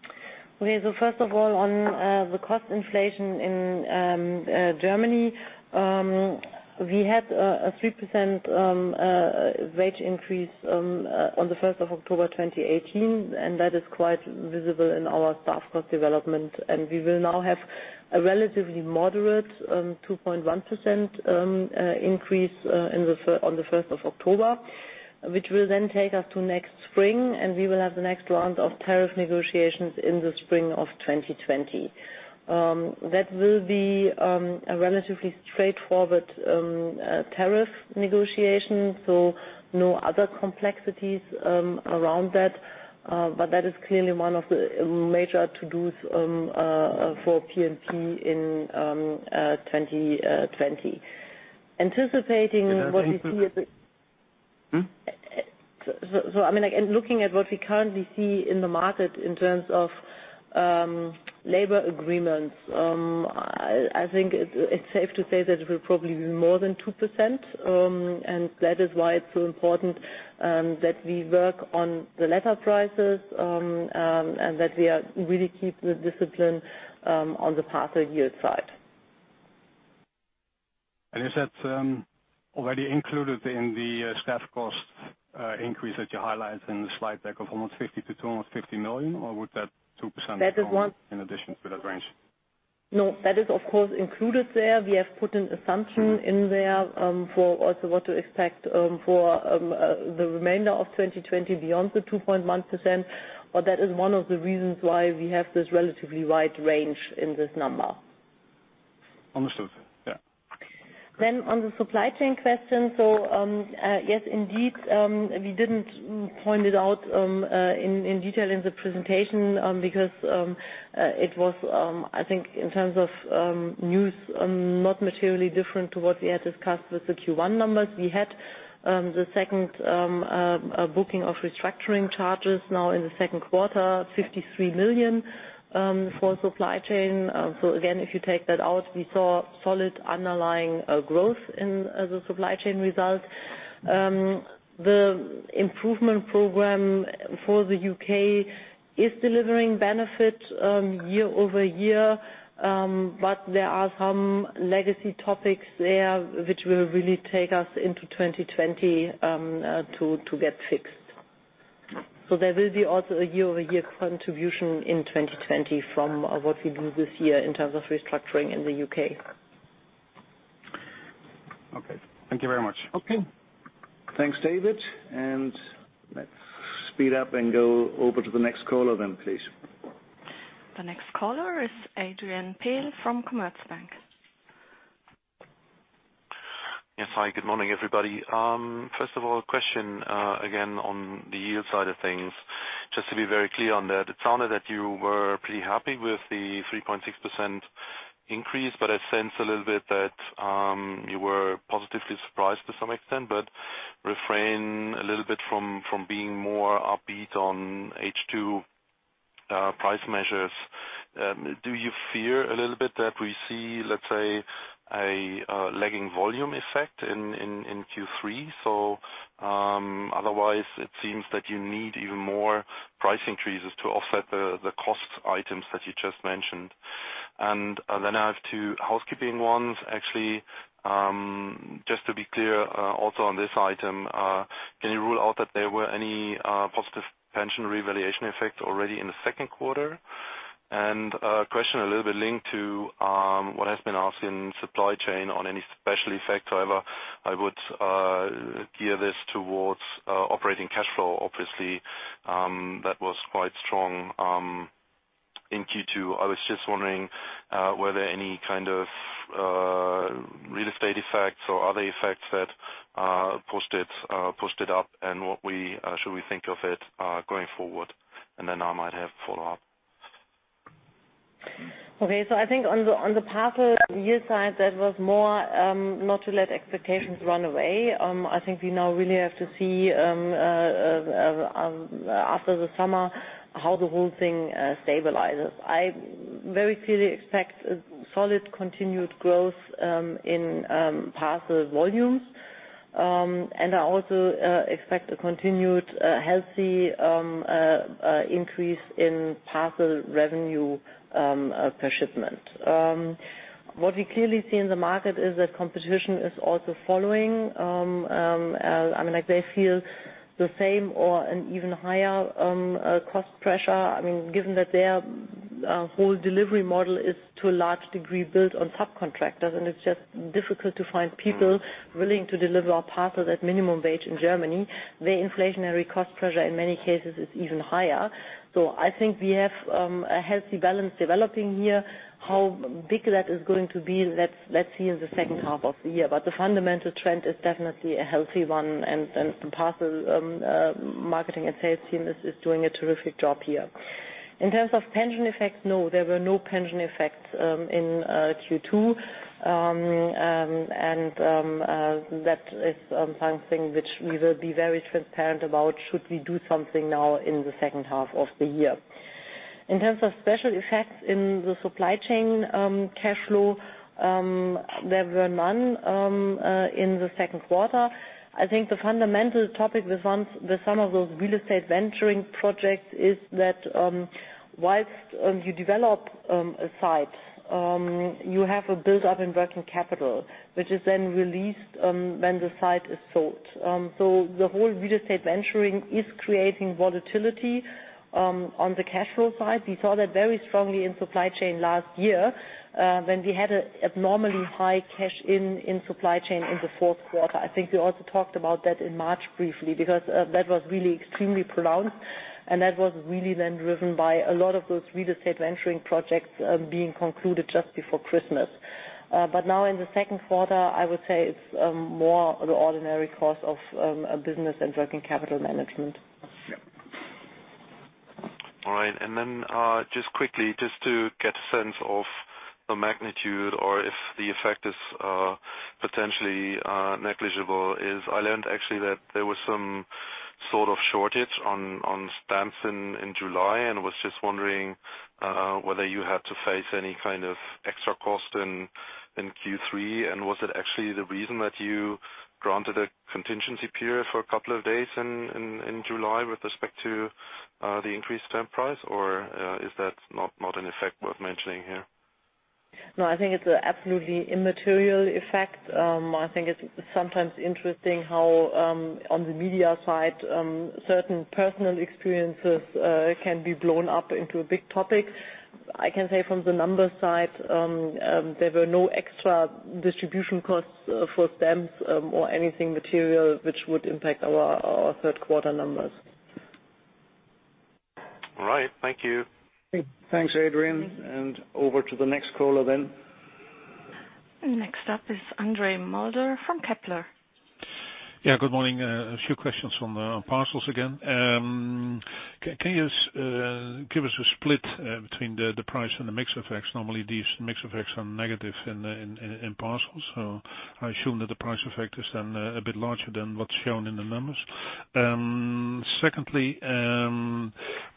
First of all, on the cost inflation in Germany, we had a 3% wage increase on the 1st of October 2018, and that is quite visible in our staff cost development. We will now have a relatively moderate 2.1% increase on the 1st of October, which will then take us to next spring, and we will have the next round of tariff negotiations in the spring of 2020. That will be a relatively straightforward tariff negotiation, so no other complexities around that. That is clearly one of the major to-dos for P&P in 2020. Looking at what we currently see in the market in terms of labor agreements, I think it's safe to say that it will probably be more than 2%, and that is why it's so important that we work on the letter prices, and that we are really keep the discipline on the parcel year side. Is that already included in the staff cost increase that you highlight in the slide deck of almost 50 to almost 50 million, or would that 2%? That is one- in addition to that range? That is of course included there. We have put an assumption in there for also what to expect for the remainder of 2020 beyond the 2.1%, but that is one of the reasons why we have this relatively wide range in this number. Understood. Yeah. On the Supply Chain question. Yes, indeed, we didn't point it out in detail in the presentation because it was, I think in terms of news, not materially different to what we had discussed with the Q1 numbers. We had the second booking of restructuring charges now in the second quarter, 53 million for Supply Chain. Again, if you take that out, we saw solid underlying growth in the Supply Chain result. The improvement program for the U.K. is delivering benefit year-over-year, but there are some legacy topics there which will really take us into 2020 to get fixed. There will be also a year-over-year contribution in 2020 from what we do this year in terms of restructuring in the U.K. Okay. Thank you very much. Okay. Thanks, David. Let's speed up and go over to the next caller then, please. The next caller is Adrian Pehl from Commerzbank. Yes. Hi, good morning, everybody. First of all, question, again on the yield side of things. Just to be very clear on that, it sounded that you were pretty happy with the 3.6% increase, but I sense a little bit that you were positively surprised to some extent, but refrain a little bit from being more upbeat on H2 price measures. Do you fear a little bit that we see, let's say, a lagging volume effect in Q3? Otherwise it seems that you need even more price increases to offset the cost items that you just mentioned. Then I have two housekeeping ones, actually. Just to be clear, also on this item, can you rule out that there were any positive pension revaluation effect already in the second quarter? A question a little bit linked to what has been asked in Supply Chain on any special effect. However, I would gear this towards operating cash flow, obviously, that was quite strong in Q2. I was just wondering, were there any kind of real estate effects or other effects that pushed it up, and what should we think of it, going forward? I might have follow-up. I think on the parcel yield side, that was more, not to let expectations run away. I think we now really have to see after the summer, how the whole thing stabilizes. I very clearly expect a solid continued growth in parcel volumes. I also expect a continued healthy increase in parcel revenue per shipment. What we clearly see in the market is that competition is also following. They feel the same or an even higher cost pressure. Given that their whole delivery model is, to a large degree, built on subcontractors, and it's just difficult to find people willing to deliver our parcels at minimum wage in Germany. Their inflationary cost pressure in many cases is even higher. I think we have a healthy balance developing here. How big that is going to be, let's see in the second half of the year. The fundamental trend is definitely a healthy one, and the parcel marketing and sales team is doing a terrific job here. In terms of pension effects, no, there were no pension effects in Q2. That is something which we will be very transparent about should we do something now in the second half of the year. In terms of special effects in the Supply Chain cash flow, there were none in the second quarter. I think the fundamental topic with some of those real estate venturing projects is that, whilst you develop a site, you have a build-up in working capital, which is then released when the site is sold. The whole real estate venturing is creating volatility on the cash flow side. We saw that very strongly in Supply Chain last year, when we had an abnormally high cash in Supply Chain in the fourth quarter. I think we also talked about that in March briefly, because that was really extremely prolonged, and that was really then driven by a lot of those real estate venturing projects being concluded just before Christmas. Now in the second quarter, I would say it's more the ordinary course of business and working capital management. Yeah. All right. Just quickly, just to get a sense of the magnitude or if the effect is potentially negligible is I learned actually that there was some sort of shortage on stamps in July and was just wondering whether you had to face any kind of extra cost in Q3, and was it actually the reason that you granted a contingency period for a couple of days in July with respect to the increased stamp price, or is that not an effect worth mentioning here? No, I think it's an absolutely immaterial effect. I think it's sometimes interesting how, on the media side, certain personal experiences can be blown up into a big topic. I can say from the numbers side, there were no extra distribution costs for stamps or anything material which would impact our third quarter numbers. All right. Thank you. Thanks, Adrian. Over to the next caller then. Next up is Andre Mulder from Kepler. Good morning. A few questions on parcels again. Can you give us a split between the price and the mix effects? Normally, these mix effects are negative in parcels, so I assume that the price effect is then a bit larger than what's shown in the numbers. Secondly,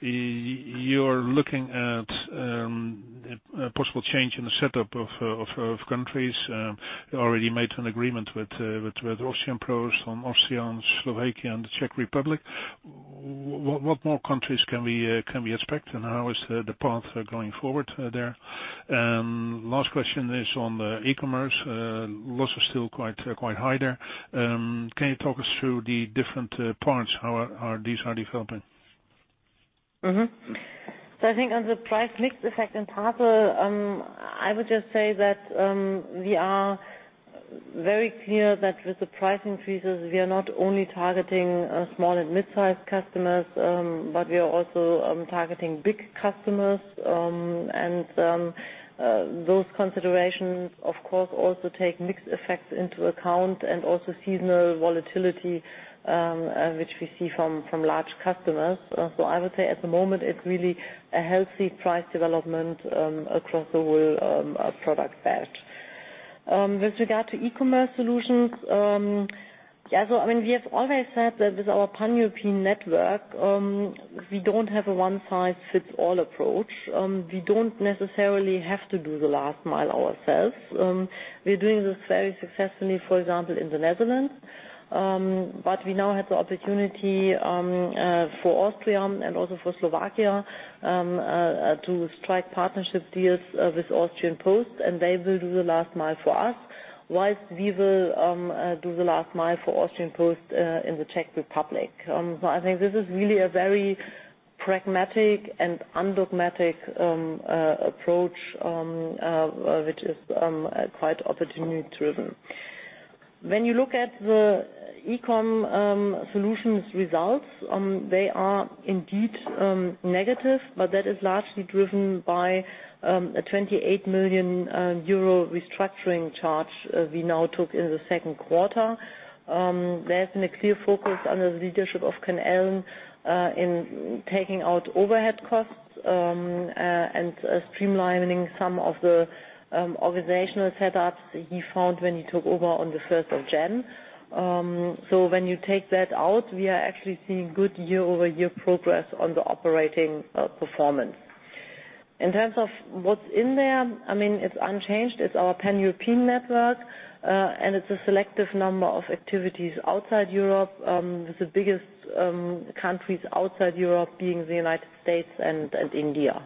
you're looking at a possible change in the setup of countries. You already made an agreement with Post CH on Austria, Slovakia, and the Czech Republic. What more countries can we expect, and how is the path going forward there? Last question is on the e-commerce. Loss is still quite high there. Can you talk us through the different parts, how these are developing? I think on the price mix effect in parcel, I would just say that we are very clear that with the price increases, we are not only targeting small and mid-size customers, but we are also targeting big customers. Those considerations, of course, also take mix effects into account and also seasonal volatility, which we see from large customers. I would say at the moment it's really a healthy price development across the whole product set. With regard to eCommerce Solutions, we have always said that with our pan-European network, we don't have a one-size-fits-all approach. We don't necessarily have to do the last mile ourselves. We're doing this very successfully, for example, in the Netherlands. We now have the opportunity for Austria and also for Slovakia, to strike partnership deals with Austrian Post, and they will do the last mile for us, whilst we will do the last mile for Austrian Post in the Czech Republic. I think this is really a very pragmatic and undogmatic approach, which is quite opportunity-driven. When you look at the eCommerce Solutions results, they are indeed negative, but that is largely driven by a 28 million euro restructuring charge we now took in the second quarter. There has been a clear focus on the leadership of Ken Allen in taking out overhead costs, and streamlining some of the organizational setups he found when he took over on the 1st of Jan. When you take that out, we are actually seeing good year-over-year progress on the operating performance. In terms of what's in there, it's unchanged. It's our pan-European network, and it's a selective number of activities outside Europe, with the biggest countries outside Europe being the U.S. and India.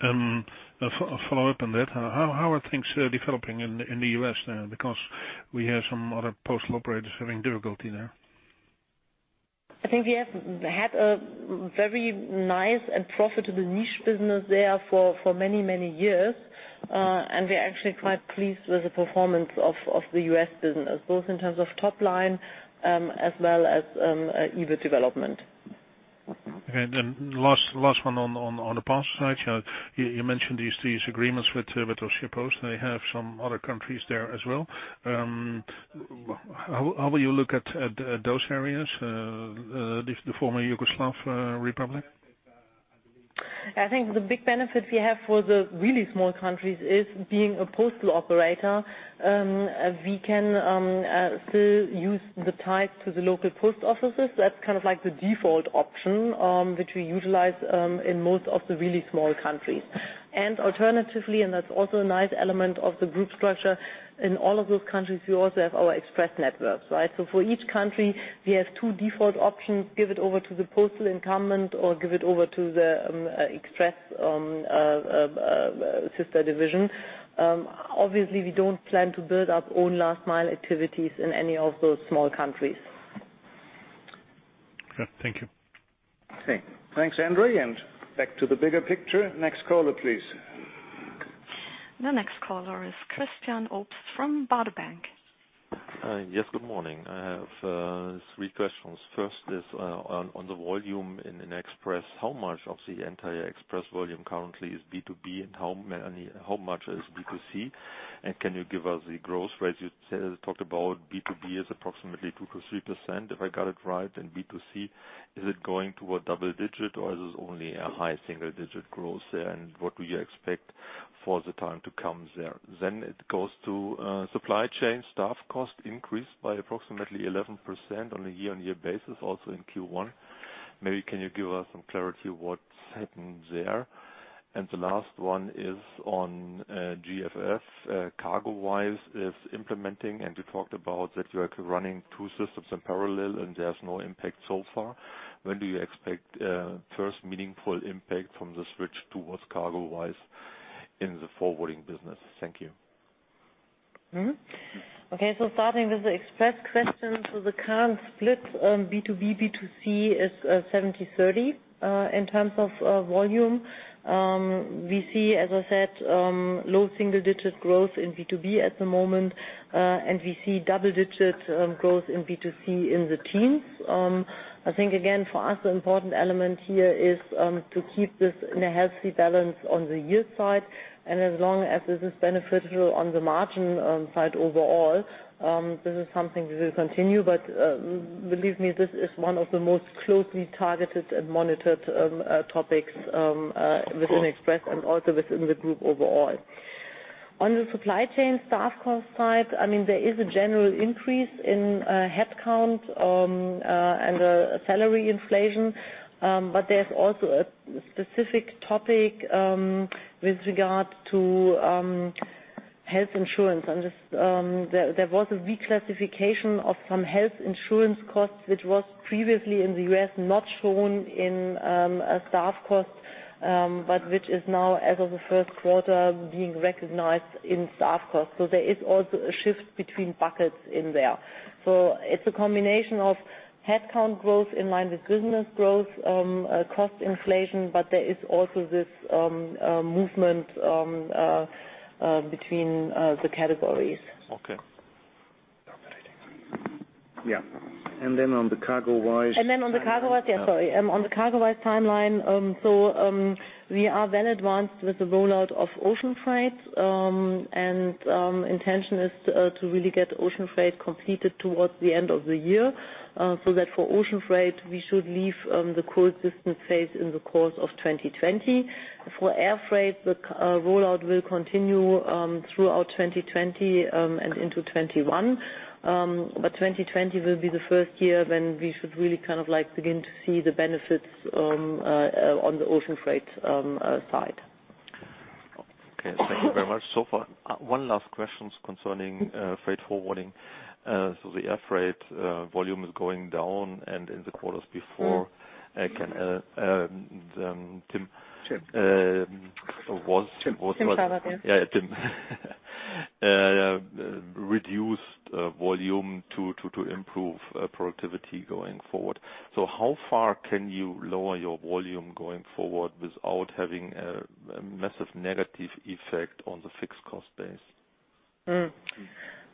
A follow-up on that. How are things developing in the U.S. now? Because we hear some other postal operators having difficulty there. I think we have had a very nice and profitable niche business there for many, many years. We are actually quite pleased with the performance of the U.S. business, both in terms of top line, as well as EBIT development. Okay, last one on the parcel side. You mentioned these agreements with Austria Post. They have some other countries there as well. How will you look at those areas, the former Yugoslav Republic? I think the big benefit we have for the really small countries is being a postal operator. We can still use the ties to the local post offices. That's kind of like the default option, which we utilize in most of the really small countries. Alternatively, and that's also a nice element of the group structure, in all of those countries, we also have our Express networks. For each country, we have two default options, give it over to the postal incumbent or give it over to the Express sister division. Obviously, we don't plan to build up own last mile activities in any of those small countries. Okay. Thank you. Okay, thanks Andre. Back to the bigger picture. Next caller, please. The next caller is Christian Obst from Baader Bank. Yes, good morning. I have three questions. First is, on the volume in Express, how much of the entire Express volume currently is B2B and how much is B2C? Can you give us the growth rate? You talked about B2B is approximately 2%-3%, if I got it right, and B2C, is it going toward double digit or is this only a high single digit growth there? What do you expect for the time to come there? It goes to Supply Chain staff cost increase by approximately 11% on a year-on-year basis, also in Q1. Maybe can you give us some clarity what's happened there? The last one is on DGF. CargoWise is implementing, and you talked about that you are running two systems in parallel and there's no impact so far. When do you expect first meaningful impact from the switch towards CargoWise in the forwarding business? Thank you. Starting with the Express question. The current split on B2B, B2C is 70/30. In terms of volume, we see, as I said, low single digit growth in B2B at the moment, and we see double digit growth in B2C in the teens. I think, again, for us, the important element here is to keep this in a healthy balance on the yield side, and as long as this is beneficial on the margin side overall, this is something we will continue. Believe me, this is one of the most closely targeted and monitored topics within Express and also within the group overall. On the Supply Chain staff cost side, there is a general increase in headcount and salary inflation. There's also a specific topic with regard to health insurance. There was a reclassification of some health insurance costs, which was previously in the U.S., not shown in a staff cost, but which is now as of the first quarter, being recognized in staff costs. There is also a shift between buckets in there. It's a combination of headcount growth in line with business growth, cost inflation, but there is also this movement between the categories. Okay. Yeah. Then on the CargoWise- Then on the CargoWise, yeah, sorry. On the CargoWise timeline, so we are well advanced with the rollout of ocean freight. Intention is to really get ocean freight completed towards the end of the year, so that for ocean freight, we should leave the co-existence phase in the course of 2020. For air freight, the rollout will continue throughout 2020 and into 2021. 2020 will be the first year when we should really begin to see the benefits on the ocean freight side. Okay, thank you very much so far. One last question concerning freight forwarding. The air freight volume is going down and in the quarters before, Tim? Tim. Tim Scharwath. Yeah, Tim. Reduced volume to improve productivity going forward. How far can you lower your volume going forward without having a massive negative effect on the fixed cost base? Yeah.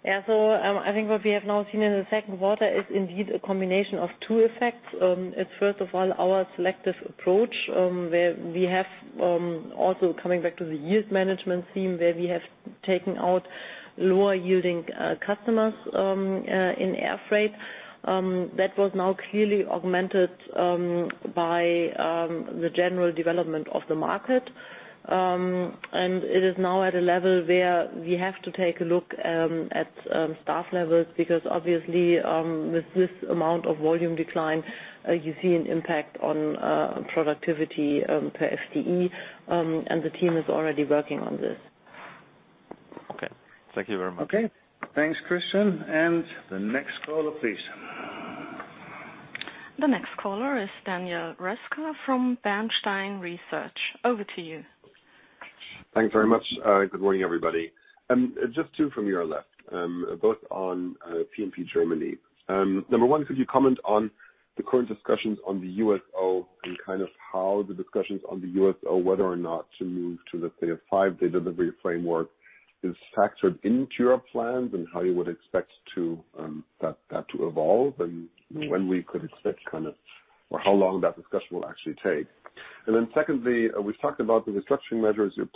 I think what we have now seen in the second quarter is indeed a combination of two effects. It's first of all, our selective approach, where we have also coming back to the yield management theme, where we have taken out lower yielding customers in air freight. That was now clearly augmented by the general development of the market. It is now at a level where we have to take a look at staff levels, because obviously, with this amount of volume decline, you see an impact on productivity per FTE, and the team is already working on this. Okay. Thank you very much. Okay. Thanks Christian. The next caller, please. The next caller is Daniel Roeska from Bernstein Research. Over to you. Thanks very much. Good morning, everybody. Just two from your left, both on P&P Germany. Number one, could you comment on the current discussions on the USO and how the discussions on the USO, whether or not to move to the five-day delivery framework is factored into your plans and how you would expect that to evolve and when we could expect, or how long that discussion will actually take. Secondly, we've talked about the restructuring measures you're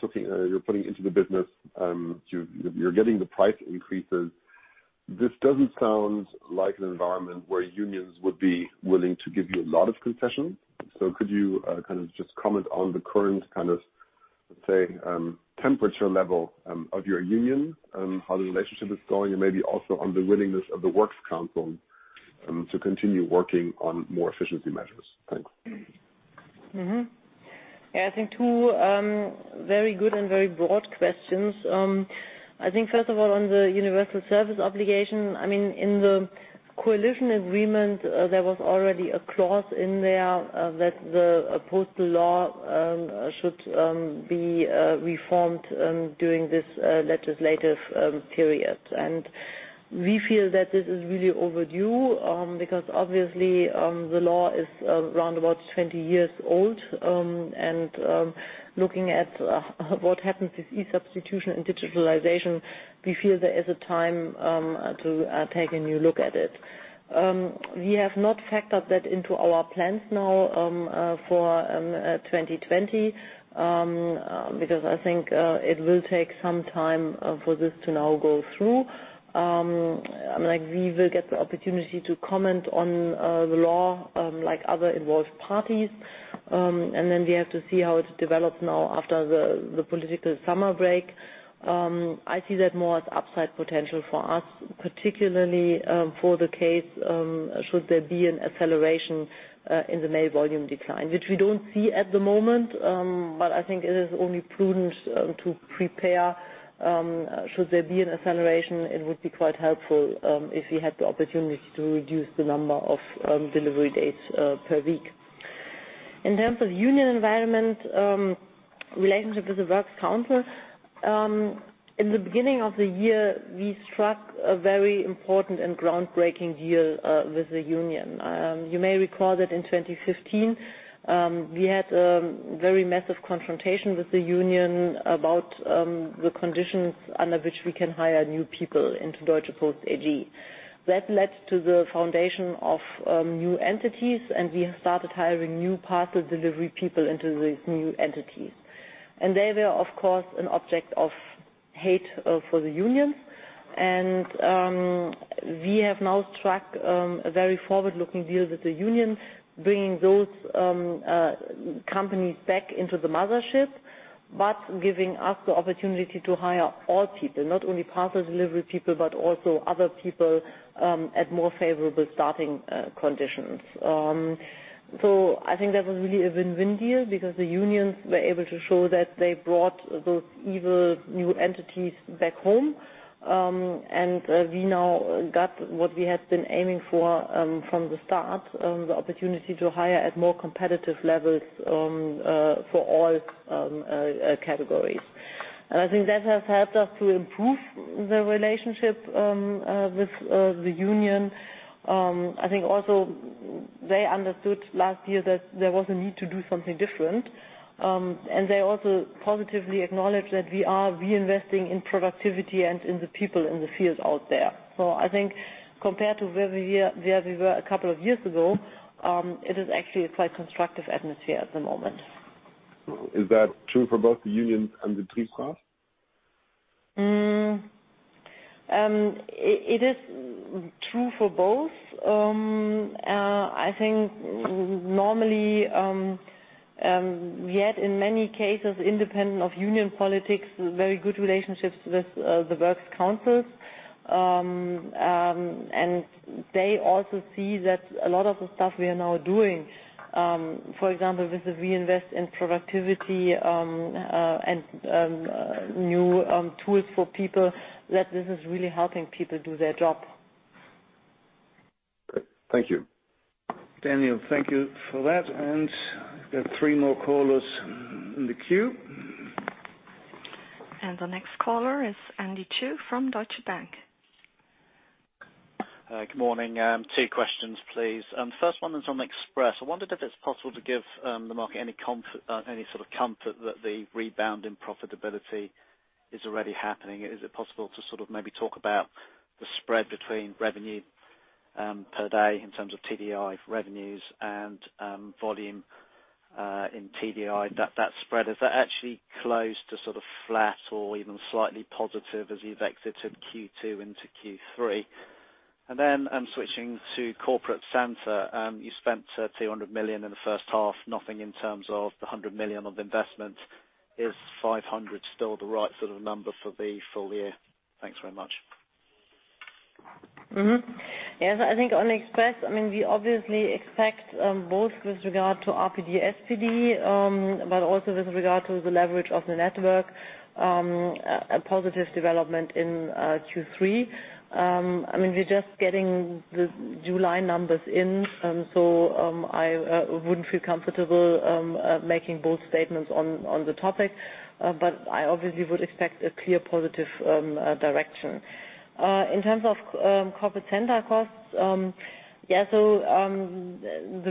putting into the business. You're getting the price increases. This doesn't sound like an environment where unions would be willing to give you a lot of concession. Could you just comment on the current, let's say, temperature level of your union, how the relationship is going, and maybe also on the willingness of the Works Council to continue working on more efficiency measures? Thanks. Yeah, I think two very good and very broad questions. I think first of all, on the universal service obligation, in the coalition agreement, there was already a clause in there, that the postal law should be reformed during this legislative period. We feel that this is really overdue, because obviously, the law is around about 20 years old. Looking at what happens with e-substitution and digitalization, we feel there is a time to take a new look at it. We have not factored that into our plans now, for 2020, because I think it will take some time for this to now go through. We will get the opportunity to comment on the law, like other involved parties. We have to see how it develops now after the political summer break. I see that more as upside potential for us, particularly, for the case, should there be an acceleration in the mail volume decline, which we don't see at the moment. I think it is only prudent to prepare. Should there be an acceleration, it would be quite helpful, if we had the opportunity to reduce the number of delivery dates per week. In terms of union environment, relationship with the Works Council. In the beginning of the year, we struck a very important and groundbreaking deal with the union. You may recall that in 2015, we had a very massive confrontation with the union about the conditions under which we can hire new people into Deutsche Post AG. That led to the foundation of new entities, and we have started hiring new parcel delivery people into these new entities. They were, of course, an object of hate for the unions. We have now struck a very forward-looking deal with the union, bringing those companies back into the mothership, but giving us the opportunity to hire all people, not only parcel delivery people, but also other people at more favorable starting conditions. I think that was really a win-win deal because the unions were able to show that they brought those evil new entities back home. We now got what we had been aiming for from the start, the opportunity to hire at more competitive levels, for all categories. I think that has helped us to improve the relationship with the union. I think also they understood last year that there was a need to do something different. They also positively acknowledge that we are reinvesting in productivity and in the people in the field out there. I think compared to where we were a couple of years ago, it is actually a quite constructive atmosphere at the moment. Is that true for both the unions and the? It is true for both. I think normally, we had, in many cases, independent of union politics, very good relationships with the works councils. They also see that a lot of the stuff we are now doing, for example, with the reinvest in productivity, and new tools for people, that this is really helping people do their job. Good. Thank you. Daniel, thank you for that. There are three more callers in the queue. The next caller is Andy Chu from Deutsche Bank. Hi, good morning. Two questions, please. First one is on Express. I wondered if it's possible to give the market any sort of comfort that the rebound in profitability is already happening. Is it possible to maybe talk about the spread between revenue per day in terms of TDI revenues and volume, in TDI, that spread? Has that actually closed to flat or even slightly positive as you've exited Q2 into Q3? I'm switching to Corporate Center. You spent 200 million in the first half, nothing in terms of the 100 million of investment. Is 500 still the right sort of number for the full year? Thanks very much. Yes, I think on Express, we obviously expect, both with regard to RPD, SPD, but also with regard to the leverage of the network, a positive development in Q3. We're just getting the July numbers in, I wouldn't feel comfortable making bold statements on the topic. I obviously would expect a clear positive direction. In terms of Corporate Center costs, the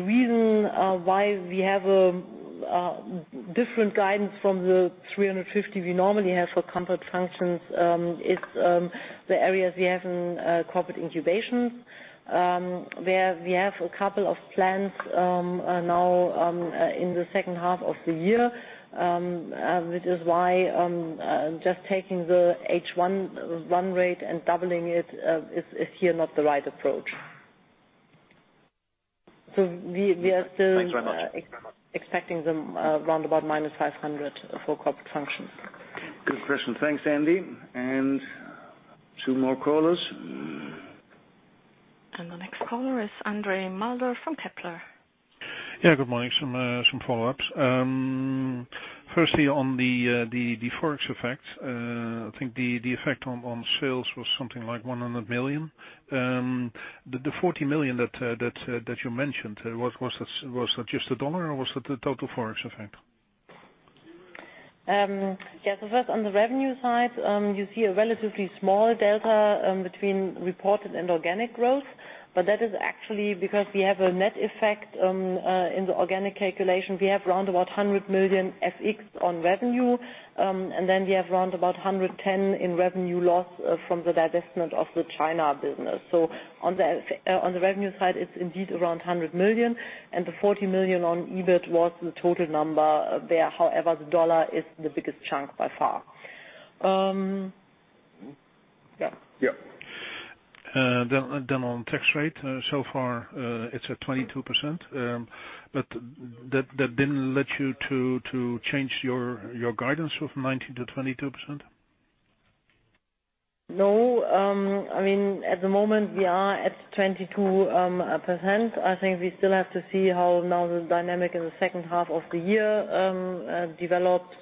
reason why we have a different guidance from the 350 we normally have for corporate functions, is the areas we have in corporate incubation, where we have a couple of plans now, in the second half of the year, which is why just taking the H1 rate and doubling it is here not the right approach. Thanks very much. expecting them around about minus 500 for corporate functions. Good question. Thanks, Andy. Two more callers. The next caller is Andre Mulder from Kepler. Yeah, good morning. Some follow-ups. Firstly, on the Forex effect. I think the effect on sales was something like 100 million. The 40 million that you mentioned, was that just the U.S. dollar, or was that the total Forex effect? Yeah. First, on the revenue side, you see a relatively small delta between reported and organic growth, but that is actually because we have a net effect in the organic calculation. We have around about 100 million FX on revenue, and then we have around about 110 in revenue loss from the divestment of the China business. On the revenue side, it's indeed around 100 million, and the 40 million on EBIT was the total number there. However, the US dollar is the biggest chunk by far. Yeah. Yeah. On tax rate. So far, it's at 22%, but that didn't let you to change your guidance from 19%-22%? No. At the moment, we are at 22%. I think we still have to see how now the dynamic in the second half of the year develops.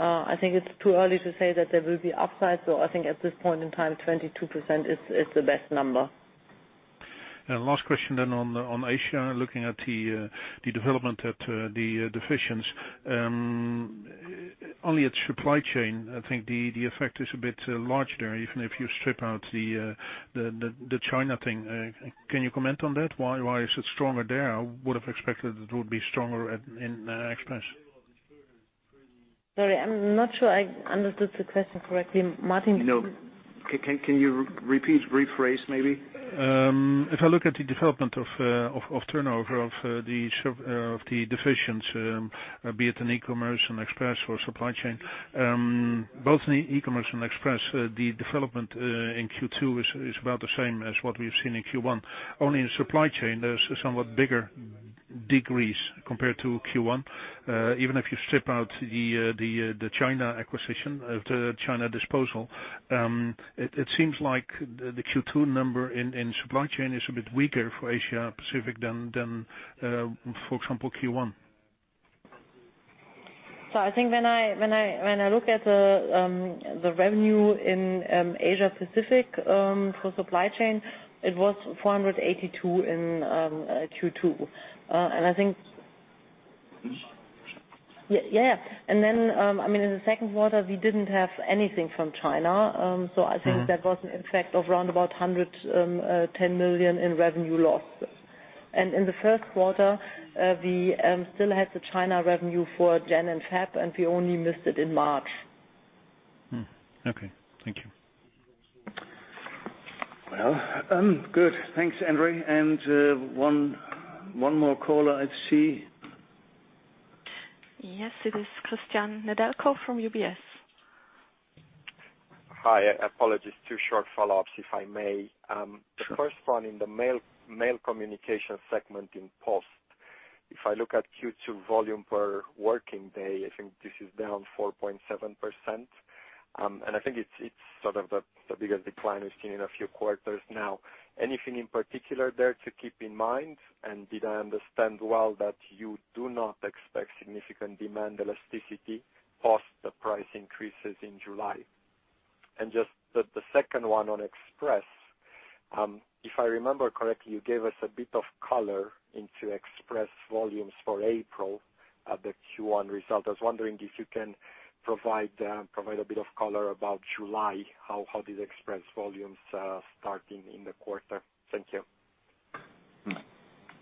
I think it's too early to say that there will be upside, so I think at this point in time, 22% is the best number. Last question on Asia, looking at the development at the divisions. Only at Supply Chain, I think the effect is a bit large there, even if you strip out the China thing. Can you comment on that? Why is it stronger there? I would have expected it would be stronger in Express. Sorry, I'm not sure I understood the question correctly. Martin? Can you repeat, rephrase, maybe? If I look at the development of turnover of the divisions, be it in E-commerce and Express or Supply Chain. Both in the E-commerce and Express, the development in Q2 is about the same as what we've seen in Q1. Only in Supply Chain, there is a somewhat bigger decrease compared to Q1, even if you strip out the China disposal. It seems like the Q2 number in Supply Chain is a bit weaker for Asia-Pacific than, for example, Q1. I think when I look at the revenue in Asia-Pacific, for Supply Chain, it was 482 in Q2. Yeah. In the second quarter, we didn't have anything from China. I think there was an effect of around about 110 million in revenue losses. In the first quarter, we still had the China revenue for January and February, and we only missed it in March. Okay. Thank you. Well, good. Thanks, Andre. One more caller I see. Yes, it is Cristian Nedelcu from UBS. Hi. Apologies. Two short follow-ups, if I may. The first one in the Mail Communication segment in Post. If I look at Q2 volume per working day, I think this is down 4.7%. I think it's sort of the biggest decline we've seen in a few quarters now. Anything in particular there to keep in mind? Did I understand well that you do not expect significant demand elasticity post the price increases in July? Just the second one on Express. If I remember correctly, you gave us a bit of color into Express volumes for April at the Q1 result. I was wondering if you can provide a bit of color about July, how these Express volumes are starting in the quarter. Thank you.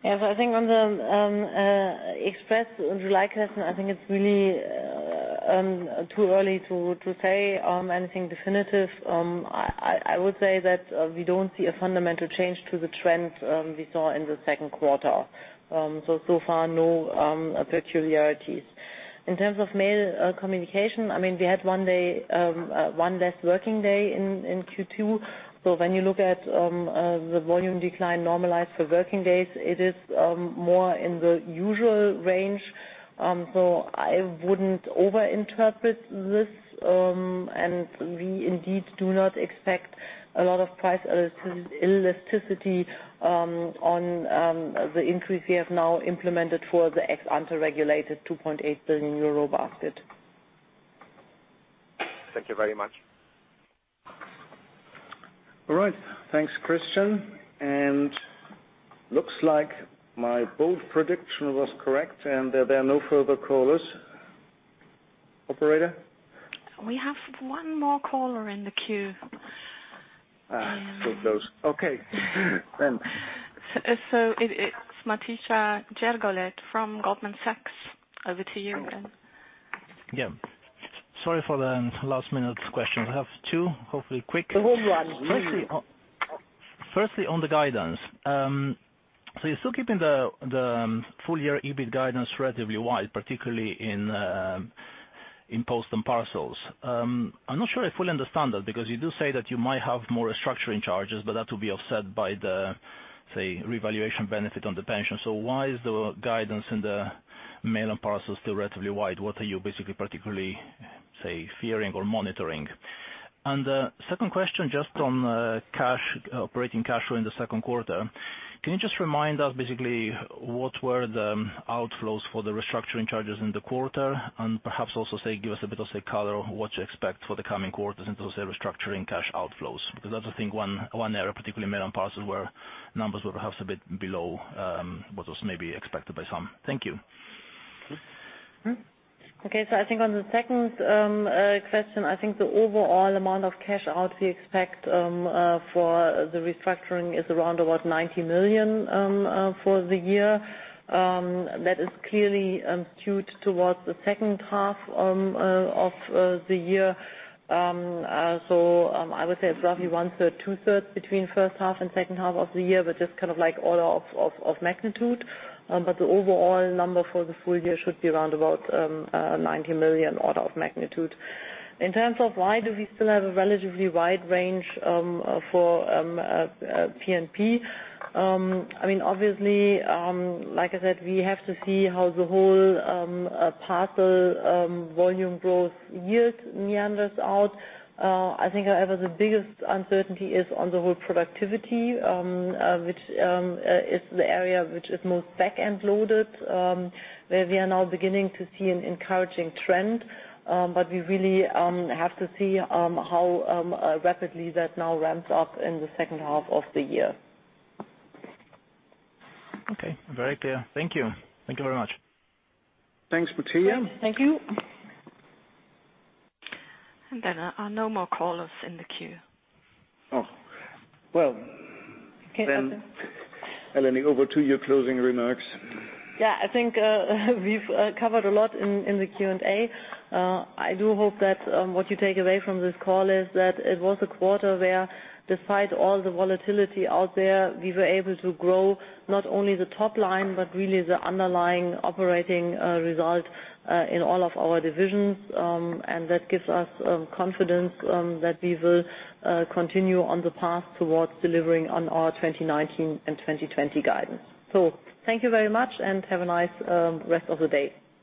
Yeah. I think on the Express July question, I think it's really too early to say anything definitive. I would say that we don't see a fundamental change to the trends we saw in the second quarter. So far, no peculiarities. In terms of Mail Communication, we had one less working day in Q2. When you look at the volume decline normalized for working days, it is more in the usual range. I wouldn't over-interpret this. We indeed do not expect a lot of price elasticity on the increase we have now implemented for the ex-under regulated 2.8 billion euro basket. Thank you very much. All right. Thanks, Christian. Looks like my bold prediction was correct, and there are no further callers. Operator? We have one more caller in the queue. Close. Okay. It's Matija Gergolet from Goldman Sachs. Over to you. Yeah. Sorry for the last-minute question. I have two, hopefully quick. The whole one. Firstly, on the guidance. You're still keeping the full year EBIT guidance relatively wide, particularly in Post & Parcel. I'm not sure I fully understand that, because you do say that you might have more restructuring charges, but that will be offset by the revaluation benefit on the pension. Why is the guidance in the Post & Parcel still relatively wide? What are you particularly fearing or monitoring? The second question, just on operating cash flow in the second quarter. Can you just remind us what were the outflows for the restructuring charges in the quarter? Perhaps also give us a bit of color on what you expect for the coming quarters in those restructuring cash outflows. That's one area, particularly Post & Parcel, where numbers were perhaps a bit below what was expected by some. Thank you. Okay. I think on the second question, I think the overall amount of cash out we expect for the restructuring is around about 90 million for the year. That is clearly skewed towards the second half of the year. I would say it's roughly one third, two thirds between first half and second half of the year, but just kind of like order of magnitude. The overall number for the full year should be around about 90 million order of magnitude. In terms of why do we still have a relatively wide range for P&P? Obviously, like I said, we have to see how the whole parcel volume growth yield meanders out. I think, however, the biggest uncertainty is on the whole productivity, which is the area which is most back-end loaded, where we are now beginning to see an encouraging trend. We really have to see how rapidly that now ramps up in the second half of the year. Okay. Very clear. Thank you. Thank you very much. Thanks, Matija. Thank you. No more callers in the queue. Oh. Well- Okay. Melanie, over to your closing remarks. Yeah, I think we've covered a lot in the Q&A. I do hope that what you take away from this call is that it was a quarter where, despite all the volatility out there, we were able to grow not only the top line, but really the underlying operating result, in all of our divisions. That gives us confidence that we will continue on the path towards delivering on our 2019 and 2020 guidance. Thank you very much, and have a nice rest of the day.